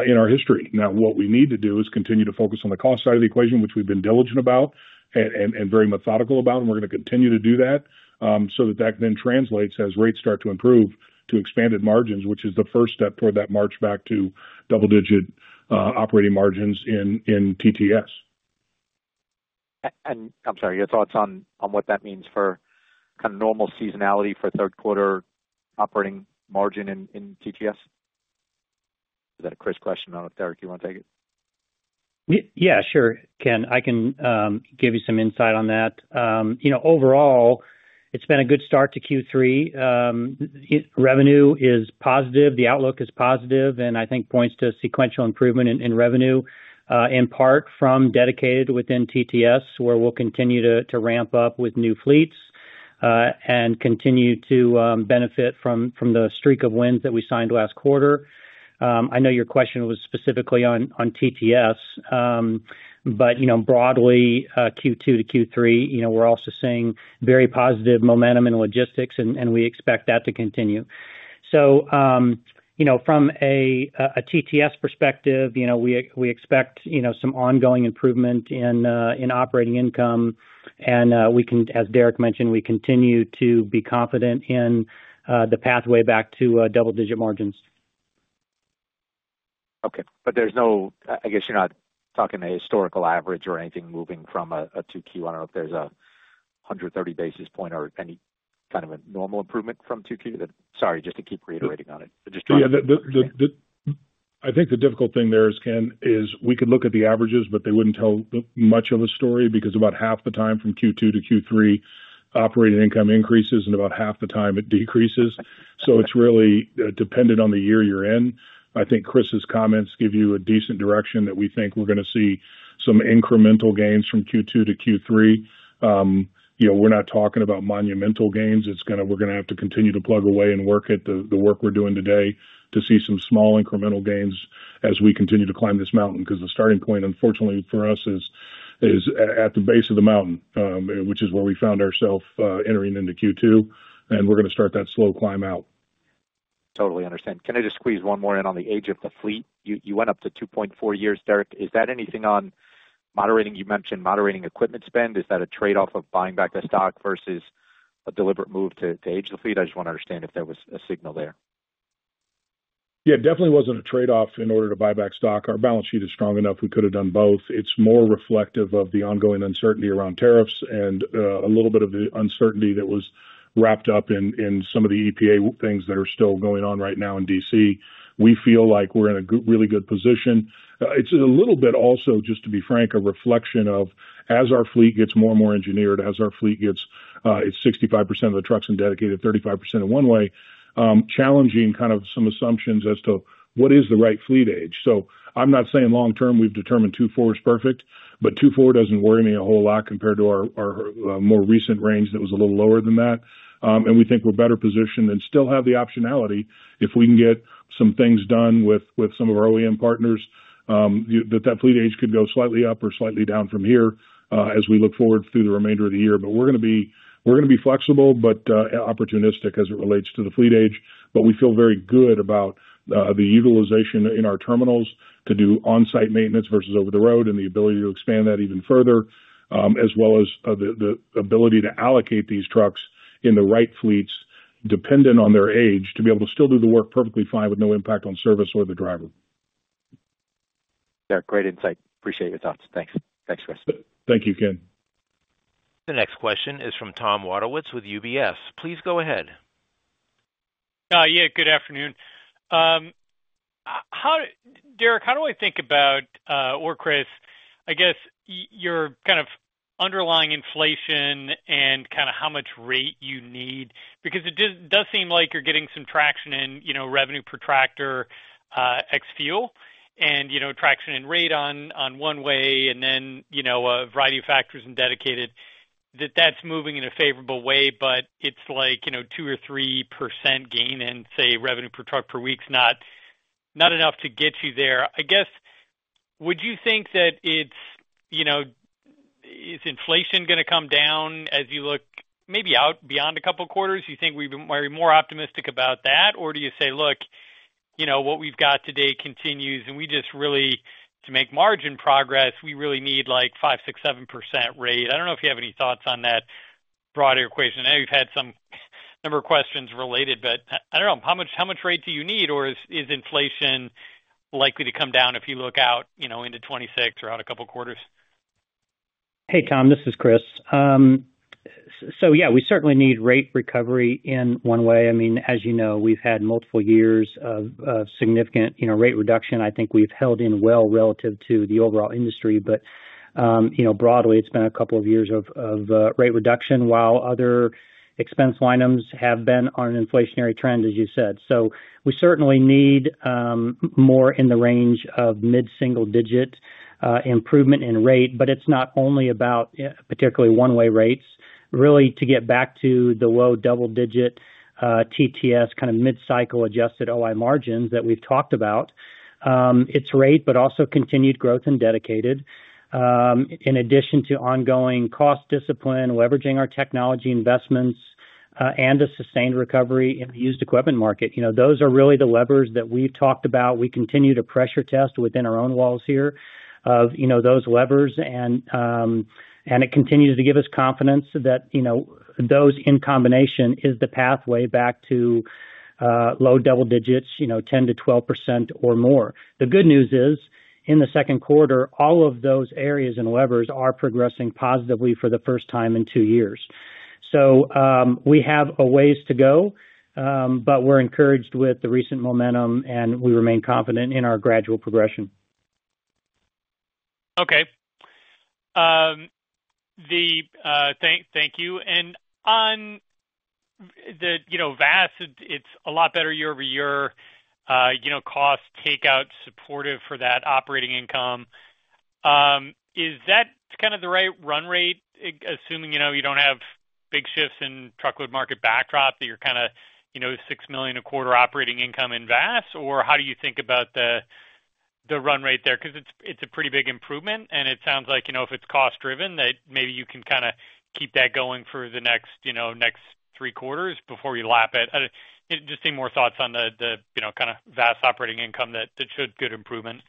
in our history. Now what we need to do is continue to focus on the cost side of the equation, which we've been diligent about and very methodical about. We're going to continue to do that so that that then translates as rates start to improve to expanded margins, which is the first step toward that march back to double-digit operating margins in TTS. I'm sorry, your thoughts on what that means for kind of normal seasonality for third quarter operating margin in TTS. Is that a Chris question? Derek, you want to take it? Derek? Yeah, sure, Ken. I can give you some insight on that. Overall, it's been a good start to Q3. Revenue is positive, the outlook is positive, and I think points to sequential improvement in revenue in part from dedicated within TTS where we'll continue to ramp up with new fleets and continue to benefit from the streak of wins that we signed last quarter. I know your question was specifically on TTS, but broadly Q2 to Q3, we're also seeing very positive momentum in logistics, and we expect that to continue. From a TTS perspective, we expect some ongoing improvement in operating income, and as Derek Leathers mentioned, we continue to be confident in the pathway back to double-digit TTS operating margins. Okay, but there's no, I guess you're not talking a historical average or anything. Moving from a 2Q, I don't know if there's a 130 basis point or any kind of a normal improvement from 2Q that. Sorry, just to keep reiterating on it. I think the difficult thing there is, Ken, is we could look at the averages, but they wouldn't tell much of a story because about half the time from Q2 to Q3, operating income increases and about half the time it decreases. It's really dependent on the year you're in. I think Chris's comments give you a decent direction that we think we're going to see some incremental gains from Q2 to Q3. We're not talking about monumental gains. We're going to have to continue to plug away and work at the work we're doing today to see some small incremental gains as we continue to climb this mountain. The starting point, unfortunately for us, is at the base of the mountain, which is where we found ourselves entering into Q2, and we're going to start that slow climb out. Totally understand. Can I just squeeze one more in? On the age of the fleet? You went up to 2.4 years. Derek. Is that anything on moderating? You mentioned moderating equipment spend. Is that a trade-off of buying? Back a stock versus a deliberate move. To age the fleet? I just want to understand if there. Was a signal there. Yeah, it definitely wasn't a trade off in order to buy back stock. Our balance sheet is strong enough. We could have done both. It's more reflective of the ongoing uncertainty around tariffs and a little bit of the uncertainty that was wrapped up in some of the EPA things that are still going on right now in D.C. We feel like we're in a really good position. It's a little bit also, just to be frank, a reflection of as our fleet gets more and more engineered. As our fleet gets, it's 65% of the trucks in dedicated, 35% in one way, challenging kind of some assumptions as to what is the right fleet age. I'm not saying long term we've determined 24 is perfect. 24 doesn't worry me a whole lot compared to our more recent range that was a little lower than that. We think we're better positioned and still have the optionality if we can get some things done with some of our OEM partners that that fleet age could go slightly up or slightly down from here as we look forward through the remainder of the year. We're going to be flexible but opportunistic as it relates to the fleet age. We feel very good about the utilization in our terminals to do on-site maintenance versus over the road and the ability to expand that even further, as well as the ability to allocate these trucks in the right fleets dependent on their age to be able to still do the work perfectly fine with no impact on service or the driver. Derek, great insight. Appreciate your thoughts. Thanks, Chris. Thank you, Ken. The next question is from Tom Wadewitz with UBS. Please go ahead. Yeah, good afternoon. Derek, how do I think about, or Chris, I guess your kind of underlying inflation and kind of how much rate you need because it does seem like you're getting some traction in revenue per tractor ex fuel and traction and rate on one way and then a variety of factors in dedicated that's moving in a favorable way. It's like 2% or 3% gain in, say, revenue per truck per week is not enough to get you there, I guess. Would you think that, is inflation going to come down as you look maybe out beyond a couple quarters? Are you more optimistic about that, or do you say, look, you know what we've got today continues and we just really, to make margin progress, we really need like 5%, 6%, 7% rate? I don't know if you have any thoughts on that broader equation. I know you've had some number of questions related, but I don't know how much rate do you need, or is inflation likely to come down if you look out into 2026 or out a couple quarters. Hey Tom, this is Chris. Yeah, we certainly need rate recovery in one way. As you know, we've had multiple years of significant rate reduction. I think we've held in well relative to the overall industry, but broadly it's been a couple of years of rate reduction while other expense line items have been on an inflationary trend, as you said. We certainly need more in the range of mid single digit improvement in rate. It's not only about particularly one way rates. To get back to the low double digit TTS kind of mid cycle adjusted OI margins that we've talked about, it's rate but also continued growth in dedicated in addition to ongoing cost discipline, leveraging our technology investments, and a sustained recovery in the used equipment market. Those are really the levers that we talked about. We continue to pressure test within our own walls here, those levers, and it continues to give us confidence that those in combination is the pathway back to low double digits, 10%-12% or more. The good news is in the second quarter all of those areas and levers are progressing positively for the first time in two years. We have a ways to go, but we're encouraged with the recent momentum and we remain confident in our gradual progression. Thank you. And on the, you know, vas, it's a lot better year-over-year. You know, cost takeout supportive for that operating income. Is that kind of the right run rate assuming you know you don't have big shifts in truckload market backdrop, that you're kind of, you know, $6 million a quarter operating income in VAs, or how do you think about the run rate there? Because it's a pretty big improvement, and it sounds like, you know, if it's cost driven, that maybe you can kind of keep that going for the next, you know, next three quarters before you lap it. Just any more thoughts on the, you know, kind of VAS operating income, that should good improvement.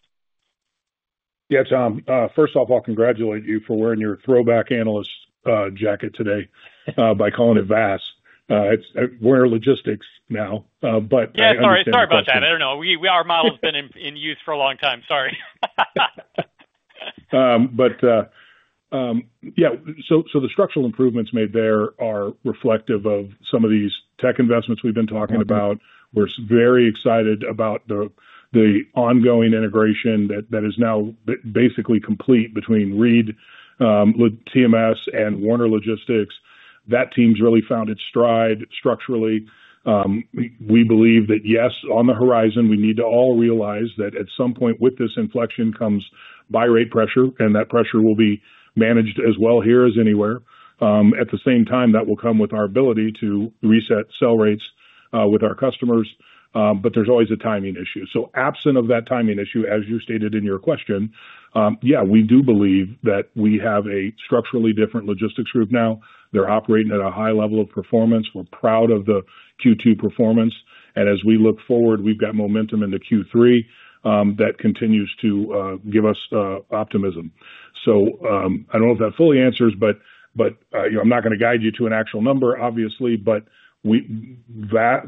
Yeah. Tom, first off, I'll congratulate you for wearing your throwback analyst jacket today by calling it VAs. It's Werner Logistics now. Sorry about that. I don't know. We. Our model's been in use for a long time. The structural improvements made there are reflective of some of these tech investments we've been talking about. We're very excited about the ongoing integration that is now basically complete between ReedTMS and Werner Logistics. That team's really found its stride structurally. We believe that yes, on the horizon we need to all realize that at some point with this inflection comes buy rate pressure and that pressure will be managed as well here as anywhere. At the same time, that will come with our ability to reset sell rates with our customers. There's always a timing issue. Absent of that timing issue, as you stated in your question, we do believe that we have a structurally different logistics group now. They're operating at a high level of performance. We're proud of the Q2 performance and as we look forward we've got momentum into Q3 that continues to give us optimism. I don't know if that fully answers, but I'm not going to guide you to an actual number obviously, but Werner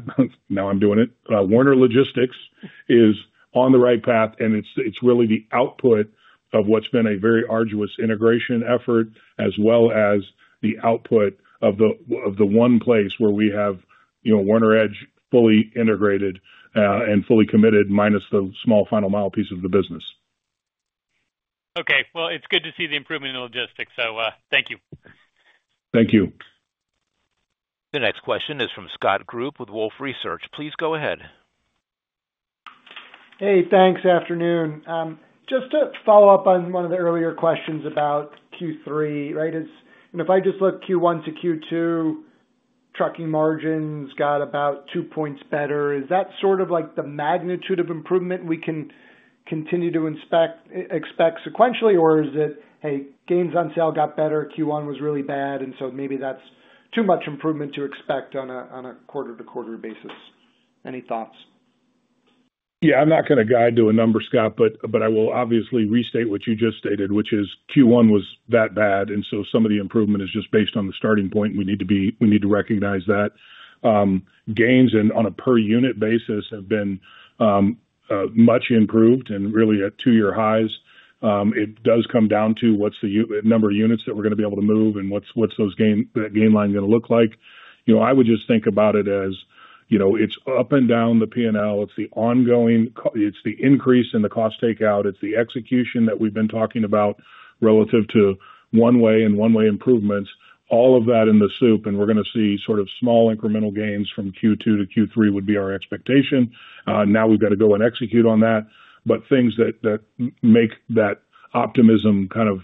Logistics is on the right path and it's really the output of what's been a very arduous integration effort as well as the output of the one place where we have Werner EDGE fully integrated and fully committed, minus the small Final Mile Services piece of the business. Okay, it's good to see the improvement in logistics. Thank you. Thank you. The next question is from Scott Group with Wolfe Research. Please go ahead. Hey, thanks. Afternoon. Just to follow up on one of. The earlier questions about Q3, right. If I just look Q1 to Q2, trucking margins got about 2 points better. Is that sort of like the magnitude of improvement we can continue to expect sequentially, or is it, hey, gains. On sale got better. Q1 was really bad, so maybe that's too much improvement to expect on a quarter-to-quarter basis. Any thoughts? Yeah, I'm not going to guide to a number, Scott, but I will obviously restate what you just stated, which is Q1 was that bad. Some of the improvement is just based on the starting point. We need to recognize that gains and on a per unit basis have been much improved, and really at two-year highs. It does come down to what's the number of units that we're going to be able to move and what's that gain line going to look like. I would just think about it as it's up and down the P&L. It's the ongoing, it's the increase in the cost takeout, it's the execution that we've been talking about relative to one-way and one-way improvements. All of that in the soup, and we're going to see sort of small incremental gains from Q2 to Q3 would be our expectation. Now we've got to go and execute on that. Things that make that optimism kind of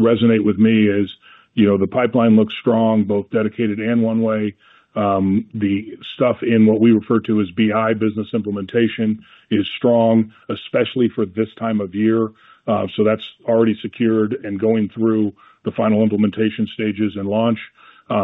resonate with me is the pipeline looks strong, both dedicated and one-way. The stuff in what we refer to as BI, business implementation, is strong, especially for this time of year. That's already secured and going through the final implementation stages and launch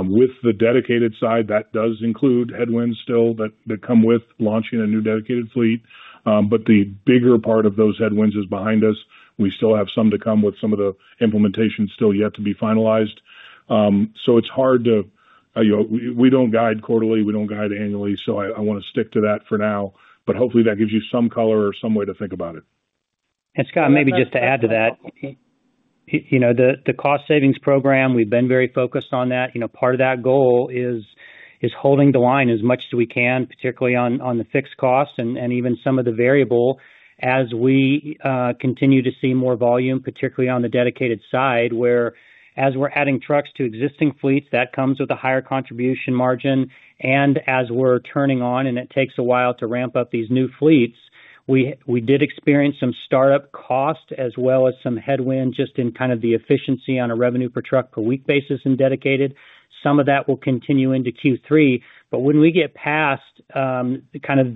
with the dedicated side. That does include headwinds still that come with launching a new dedicated fleet, but the bigger part of those headwinds is behind us. We still have some to come with some of the implementation still yet to be finalized. It's hard to, we don't guide quarterly, we don't guide annually. I want to stick to that for now, but hopefully that gives you some color or some way to think about it. Scott, maybe just to add to that, the cost savings program, we've been very focused on that. Part of that goal is holding the line as much as we can, particularly on the fixed costs and even some of the variable as we continue to see more volume, particularly on the dedicated side where as we're adding trucks to existing fleets that comes with a higher contribution margin and as we're turning on and it takes a while to ramp up these new fleets. We did experience some startup cost as well as some headwind just in kind of the efficiency on a revenue per truck per week basis and dedicated some of that will continue into Q3. When we get past kind of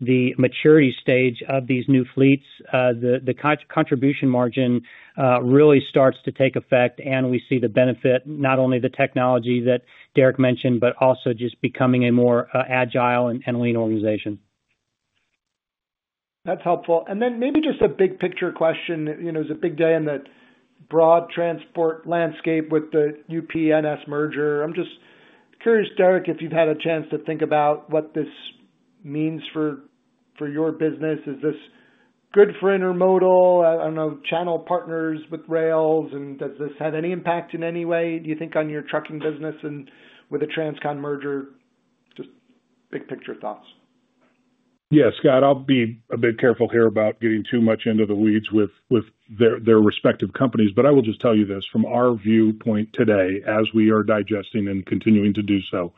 the maturity stage of these new fleets, the contribution margin really starts to take effect and we see the benefit not only of the technology that Derek mentioned but also just becoming a more agile and lean organization. That's helpful. Maybe just a big picture question, it is a big day in the broad transport landscape with the UPNs merger. I'm just curious, Derek, if you've had a chance to think about what this. Means for your business, is this good for Intermodal? I don't know, channel partners with Rails, and does this have any impact in any way, do you think, on your. Trucking business with the transcon merger? Just big picture thoughts. Yeah, Scott, I'll be a bit careful here about getting too much into the weeds with their respective companies. I will just tell you this from our viewpoint today as we are digesting and continuing to do so.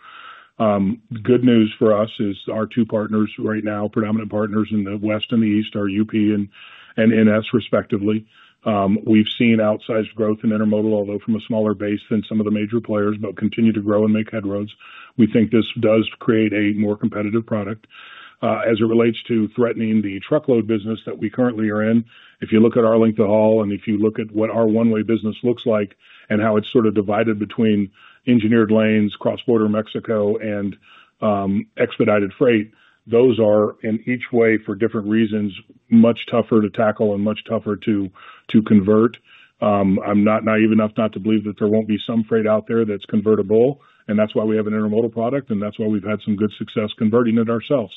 Good news for us is our two partners right now, predominant partners in the west and the east, are UP and NS respectively. We've seen outsized growth in Intermodal, although from a smaller base than some of the major players, but continue to grow and make headroads. We think this does create a more competitive product as it relates to threatening the truckload business that we currently are in. If you look at our length of haul and if you look at what our one-way business looks like and how it's sort of divided between engineered lanes, cross-border Mexico, and expedited freight, those are in each way for different reasons much tougher to tackle and much tougher to convert. I'm not naive enough not to believe that there won't be some freight out there that's convertible and that's why we have an Intermodal product and that's why we've had some good success converting it ourselves.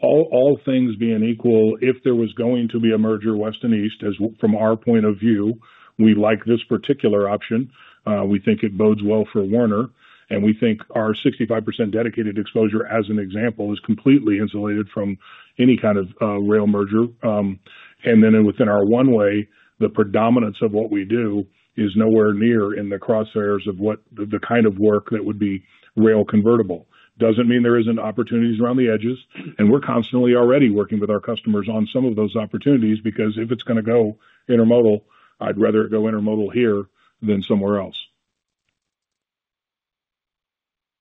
All things being equal, if there was going to be a merger west and east, from our point of view we like this particular option. We think it bodes well for Werner and we think our 65% dedicated exposure, as an example, is completely insulated from any kind of rail merger. Within our one-way, the predominance of what we do is nowhere near in the crosshairs of what the kind of work that would be. Rail convertible doesn't mean there isn't opportunities around the edges and we're constantly already working with our customers on some of those opportunities. If it's going to go Intermodal, I'd rather go Intermodal here than somewhere else.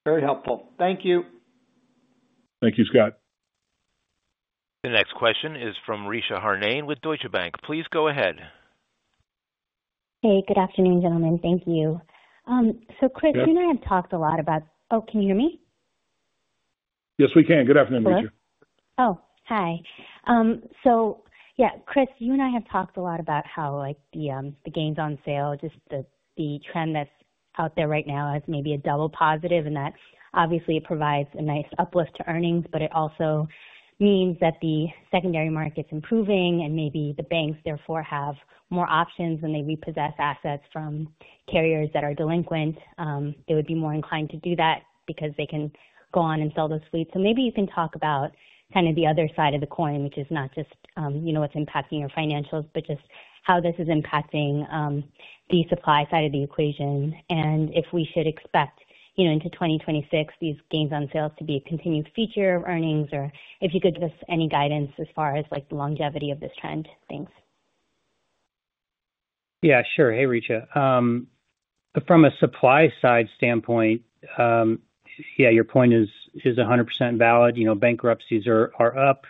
Very helpful, thank you. Thank you, Scott. The next question is from Richa Harneit with Deutsche Bank. Please go ahead. Good afternoon, gentlemen. Thank you. Chris, you and I have talked a lot about. Can you hear me? Yes, we can. Good afternoon. Oh, hi. Chris, you and I have talked a lot about how the gains on sale, just the trend that's out there right now, as maybe a double positive, and that obviously it provides a nice uplift to earnings, but it also means that the secondary market improving and maybe the banks therefore have more options when they repossess assets from carriers that are delinquent. They would be more inclined to do that because they can go on and sell those fleets. Maybe you can talk about the other side of the coin, which is not just what's impacting your financials, but how this is impacting the supply side of the equation, and if we should expect into 2026 these gains on sales to be a continued feature of earnings or if you could give us any guidance as far as the longevity of this trend. Thanks. Yeah, sure. Hey Richa, from a supply side standpoint, your point is 100% valid. Bankruptcies are up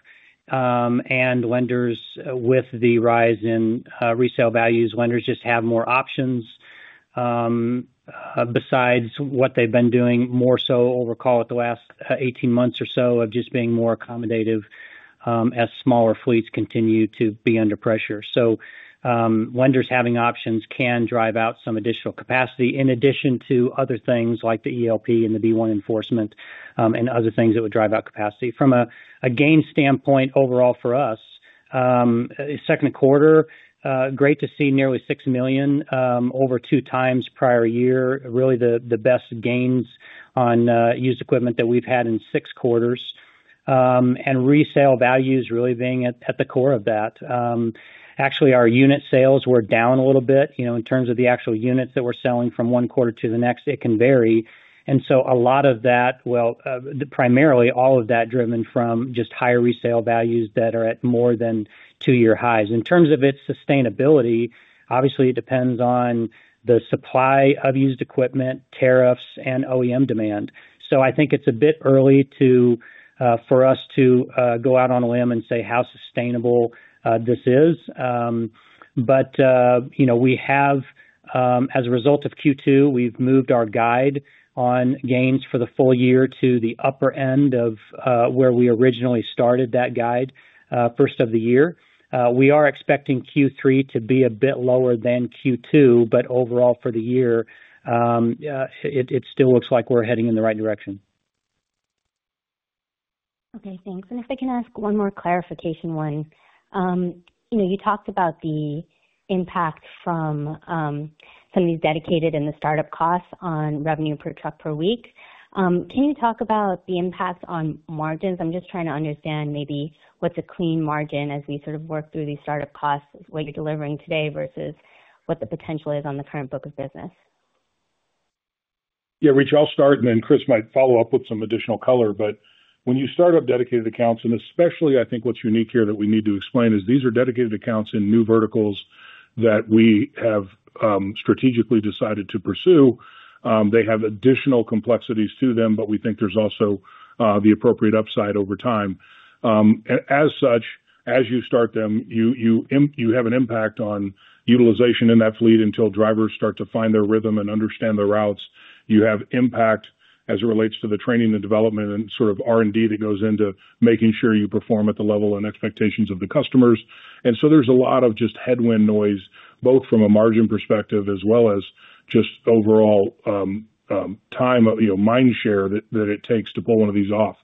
and lenders, with the rise in resale values, just have more options besides what they've been doing more so over the last 18 months or so of just being more accommodative as smaller fleets continue to be under pressure. Lenders having options can drive out some additional capacity in addition to other things like the ELP and the B1 enforcement and other things that would drive out capacity. From a gain standpoint overall for U.S. second quarter, great to see nearly $6 million, over two times prior year. Really the best gains on used equipment that we've had in six quarters and resale values really being at the core of that. Actually, our unit sales were down a little bit. In terms of the actual units that we're selling from one quarter to the next, it can vary. A lot of that, primarily all of that, driven from just higher resale values that are at more than two-year highs. In terms of its sustainability, obviously it depends on the supply of used equipment, tariffs, and OEM demand. I think it's a bit early for us to go out on a limb and say how sustainable this is. As a result of Q2, we've moved our guide on gains for the full year to the upper end of where we originally started that guide first of the year. We are expecting Q3 to be a bit lower than Q2, but overall for the year, it still looks like we're heading in the right direction. Okay, thanks. And if I can ask one more clarification. 1. You talked about the impact from some of these dedicated and the startup costs on revenue per truck per week. Can you talk about the impact on margins? I'm just trying to understand maybe what's a clean margin as we sort of work through these startup costs, what you're delivering today versus what the potential is on the current book of business. Yeah, Rich, I'll start and then Chris Neil might follow up with some additional color. When you start up dedicated accounts, and especially I think what's unique here that we need to explain is these are dedicated accounts in new verticals that we have strategically decided to pursue. They have additional complexities to them, but we think there's also the appropriate upside over time. As such, as you start them, you have an impact on utilization in that fleet. Until drivers start to find their rhythm and understand the routes, you have impact as it relates to the training, the development and sort of R&D that goes into making sure you perform at the level and expectations of the customers. There's a lot of just headwind noise, both from a margin perspective as well as just overall time, mind share that it takes to pull one of these off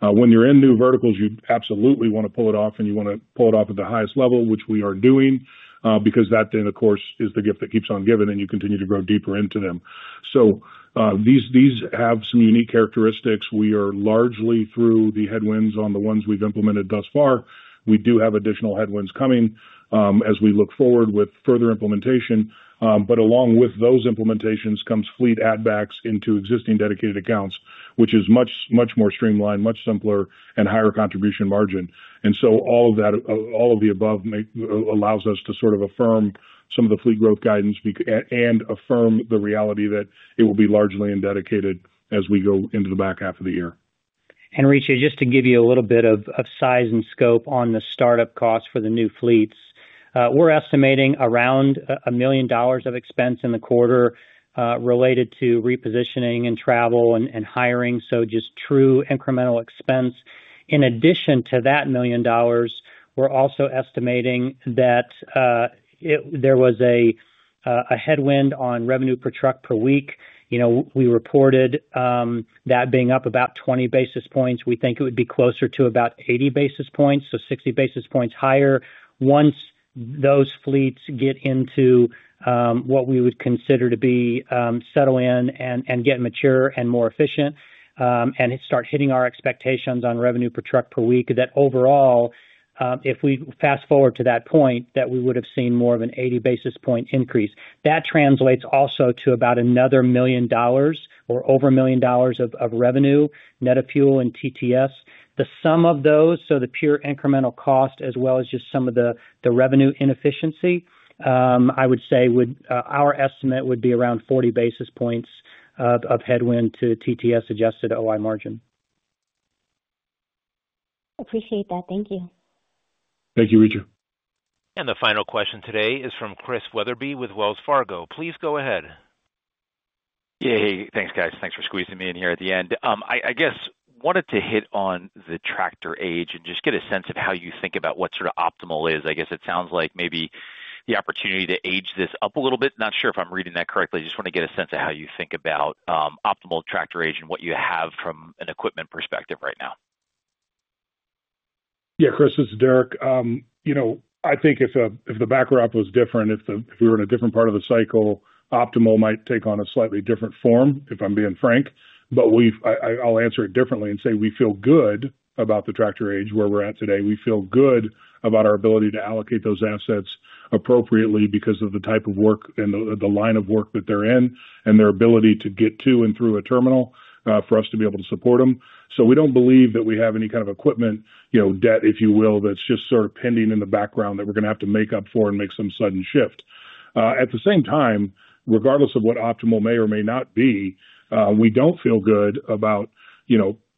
when you're in new verticals. You absolutely want to pull it off and you want to pull it off at the highest level, which we are doing, because that then of course is the gift that keeps on giving and you continue to grow deeper into them. These have some unique characteristics. We are largely through the headwinds on the ones we've implemented thus far. We do have additional headwinds coming as we look forward with further implementation. Along with those implementations comes fleet add backs into existing dedicated accounts, which is much, much more streamlined, much simpler and higher contribution margin. All of the above allows us to sort of affirm some of the fleet growth guidance and affirm the reality that it will be largely in dedicated as we go into the back half of the year. Henrietta, just to give you a little bit of size and scope on the startup costs for the new fleets, we're estimating around $1 million of expense in the quarter related to repositioning and travel and hiring. Just true incremental expenses. In addition to that $1 million, we're also estimating that there was a headwind on revenue per truck per week. You know, we reported that being up about 20 basis points, we think it would be closer to about 80 basis points, so 60 basis points higher. Once those fleets get into what we would consider to be settled in and get mature and more efficient and start hitting our expectations on revenue per truck per week, overall if we fast forward to that point, we would have seen more of an 80 basis points increase. That translates also to about another $1 million or over $1 million of revenue net of fuel and TTS, the sum of those. The pure incremental cost as well as just some of the revenue inefficiency, I would say our estimate would be around 40 basis points of headwind to TTS adjusted OI margin. Appreciate that. Thank you. Thank you, Richa. The final question today is from Chris Wethebee with Wells Fargo. Please go ahead. Yeah, hey, thanks guys. Thanks for squeezing me in here at the end. I guess wanted to hit on the. Tractor age and just get a sense. How you think about what sort of optimal is. I guess it sounds like maybe the opportunity to age this up a little bit. Not sure if I'm reading that correctly. Just want to get a sense of how you think about optimal tractor age and what you have from an equipment perspective right now. Yeah, Chris, this is Derek. I think if the backdrop was different, if we were in a different part of the cycle, optimal might take on a slightly different form, if I'm being frank. I'll answer it differently and say we feel good about the tractor age where we're at today. We feel good about our ability to allocate those assets appropriately because of the type of work and the line of work that they're in and their ability to get to and through a terminal for us to be able to support them. We don't believe that we have any kind of equipment debt, if you will, that's just sort of pending in the background that we're going to have to make up for and make some sudden shift at the same time. Regardless of what optimal may or may not be, we don't feel good about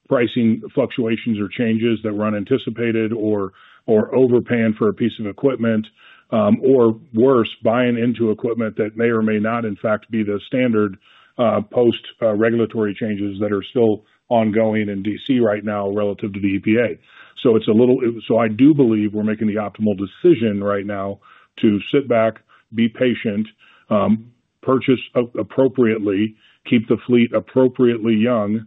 pricing fluctuations or changes that were unanticipated or overpaying for a piece of equipment or worse, buying into equipment that may or may not in fact be the standard post regulatory changes that are still ongoing in D.C. right now relative to the EPA. I do believe we're making the optimal decision right now to sit back, be patient, purchase appropriately, keep the fleet appropriately young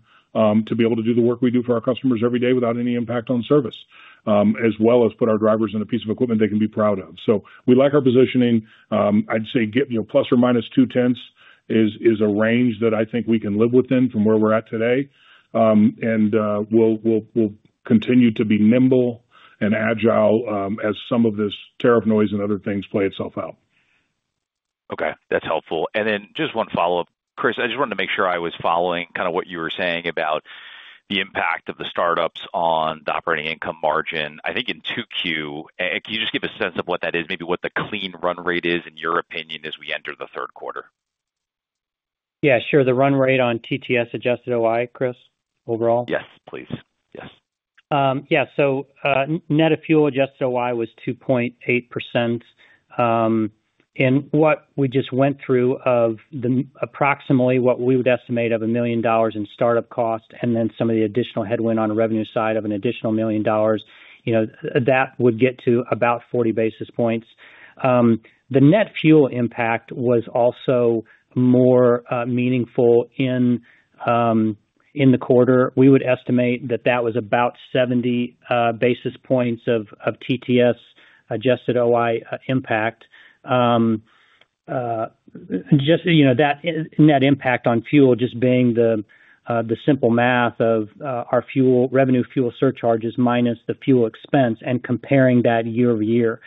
to be able to do the work we do for our customers every day without any impact on service, as well as put our drivers in a piece of equipment they can be proud of. We like our positioning. I'd say ±0.2 is a range that I think we can live within from where we're at today. We'll continue to be nimble and agile as some of this tariff noise and other things play itself out. Okay, that's helpful. Just one follow up, Chris. I just wanted to make sure I was following what you were saying about the impact of the startups. On the operating income margin, I think in 2Q, can you just give a sense of what that is, maybe what the clean. Run rate is, in your opinion, as. We enter the quarter? Yeah, sure. The run rate on TTS adjusted OI. Chris? Overall. Yes, please. Yes, yes. Net of fuel adjusted OI was 2.8%, and what we just went through of the approximately what we would estimate of $1 million in startup cost and then some of the additional headwind on revenue side of an additional $1 million, that would get to about 40 basis points. The net fuel impact was also more meaningful in the quarter. We would estimate that was about 70 basis points of TTS adjusted OI impact. That net impact on fuel is just the simple math of our fuel revenue, fuel surcharges minus the fuel expense and comparing that year-over-year,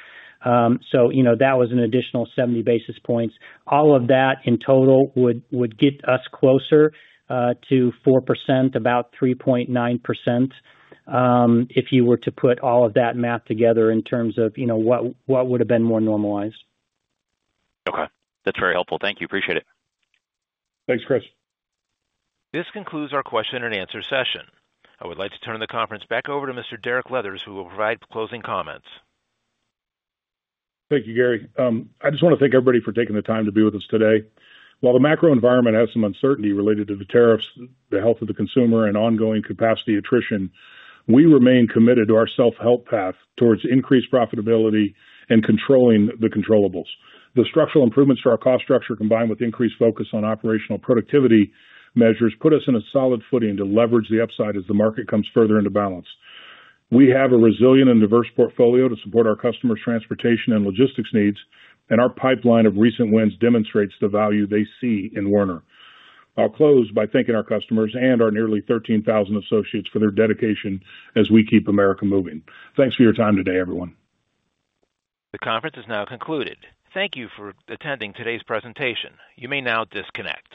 so that was an additional 70 basis points. All of that in total would get us closer to 4%, about 3.9%. If you were to put all of that math together in terms of what would have been more normalized. Okay, that's very helpful, thank you. Appreciate it. Thanks, Chris. This concludes our question-and-answer session. I would like to turn the conference back over to Mr. Derek Leathers, who will provide closing comments. Thank you, Gary. I just want to thank everybody for taking the time to be with us today. While the macro environment has some uncertainty related to the tariffs, the health of the consumer, and ongoing capacity attrition, we remain committed to our self-help path towards increased profitability and controlling the controllables. The structural improvements to our cost structure, combined with increased focus on operational productivity measures, put us in a solid footing to leverage the upside as the market comes further into balance. We have a resilient and diverse portfolio to support our customers' transportation and logistics needs, and our pipeline of recent wins demonstrates the value they see in Werner. I'll close by thanking our customers and our nearly 13,000 associates for their dedication as we keep America moving. Thanks for your time today, everyone. The conference is now concluded. Thank you for attending today's presentation. You may now disconnect.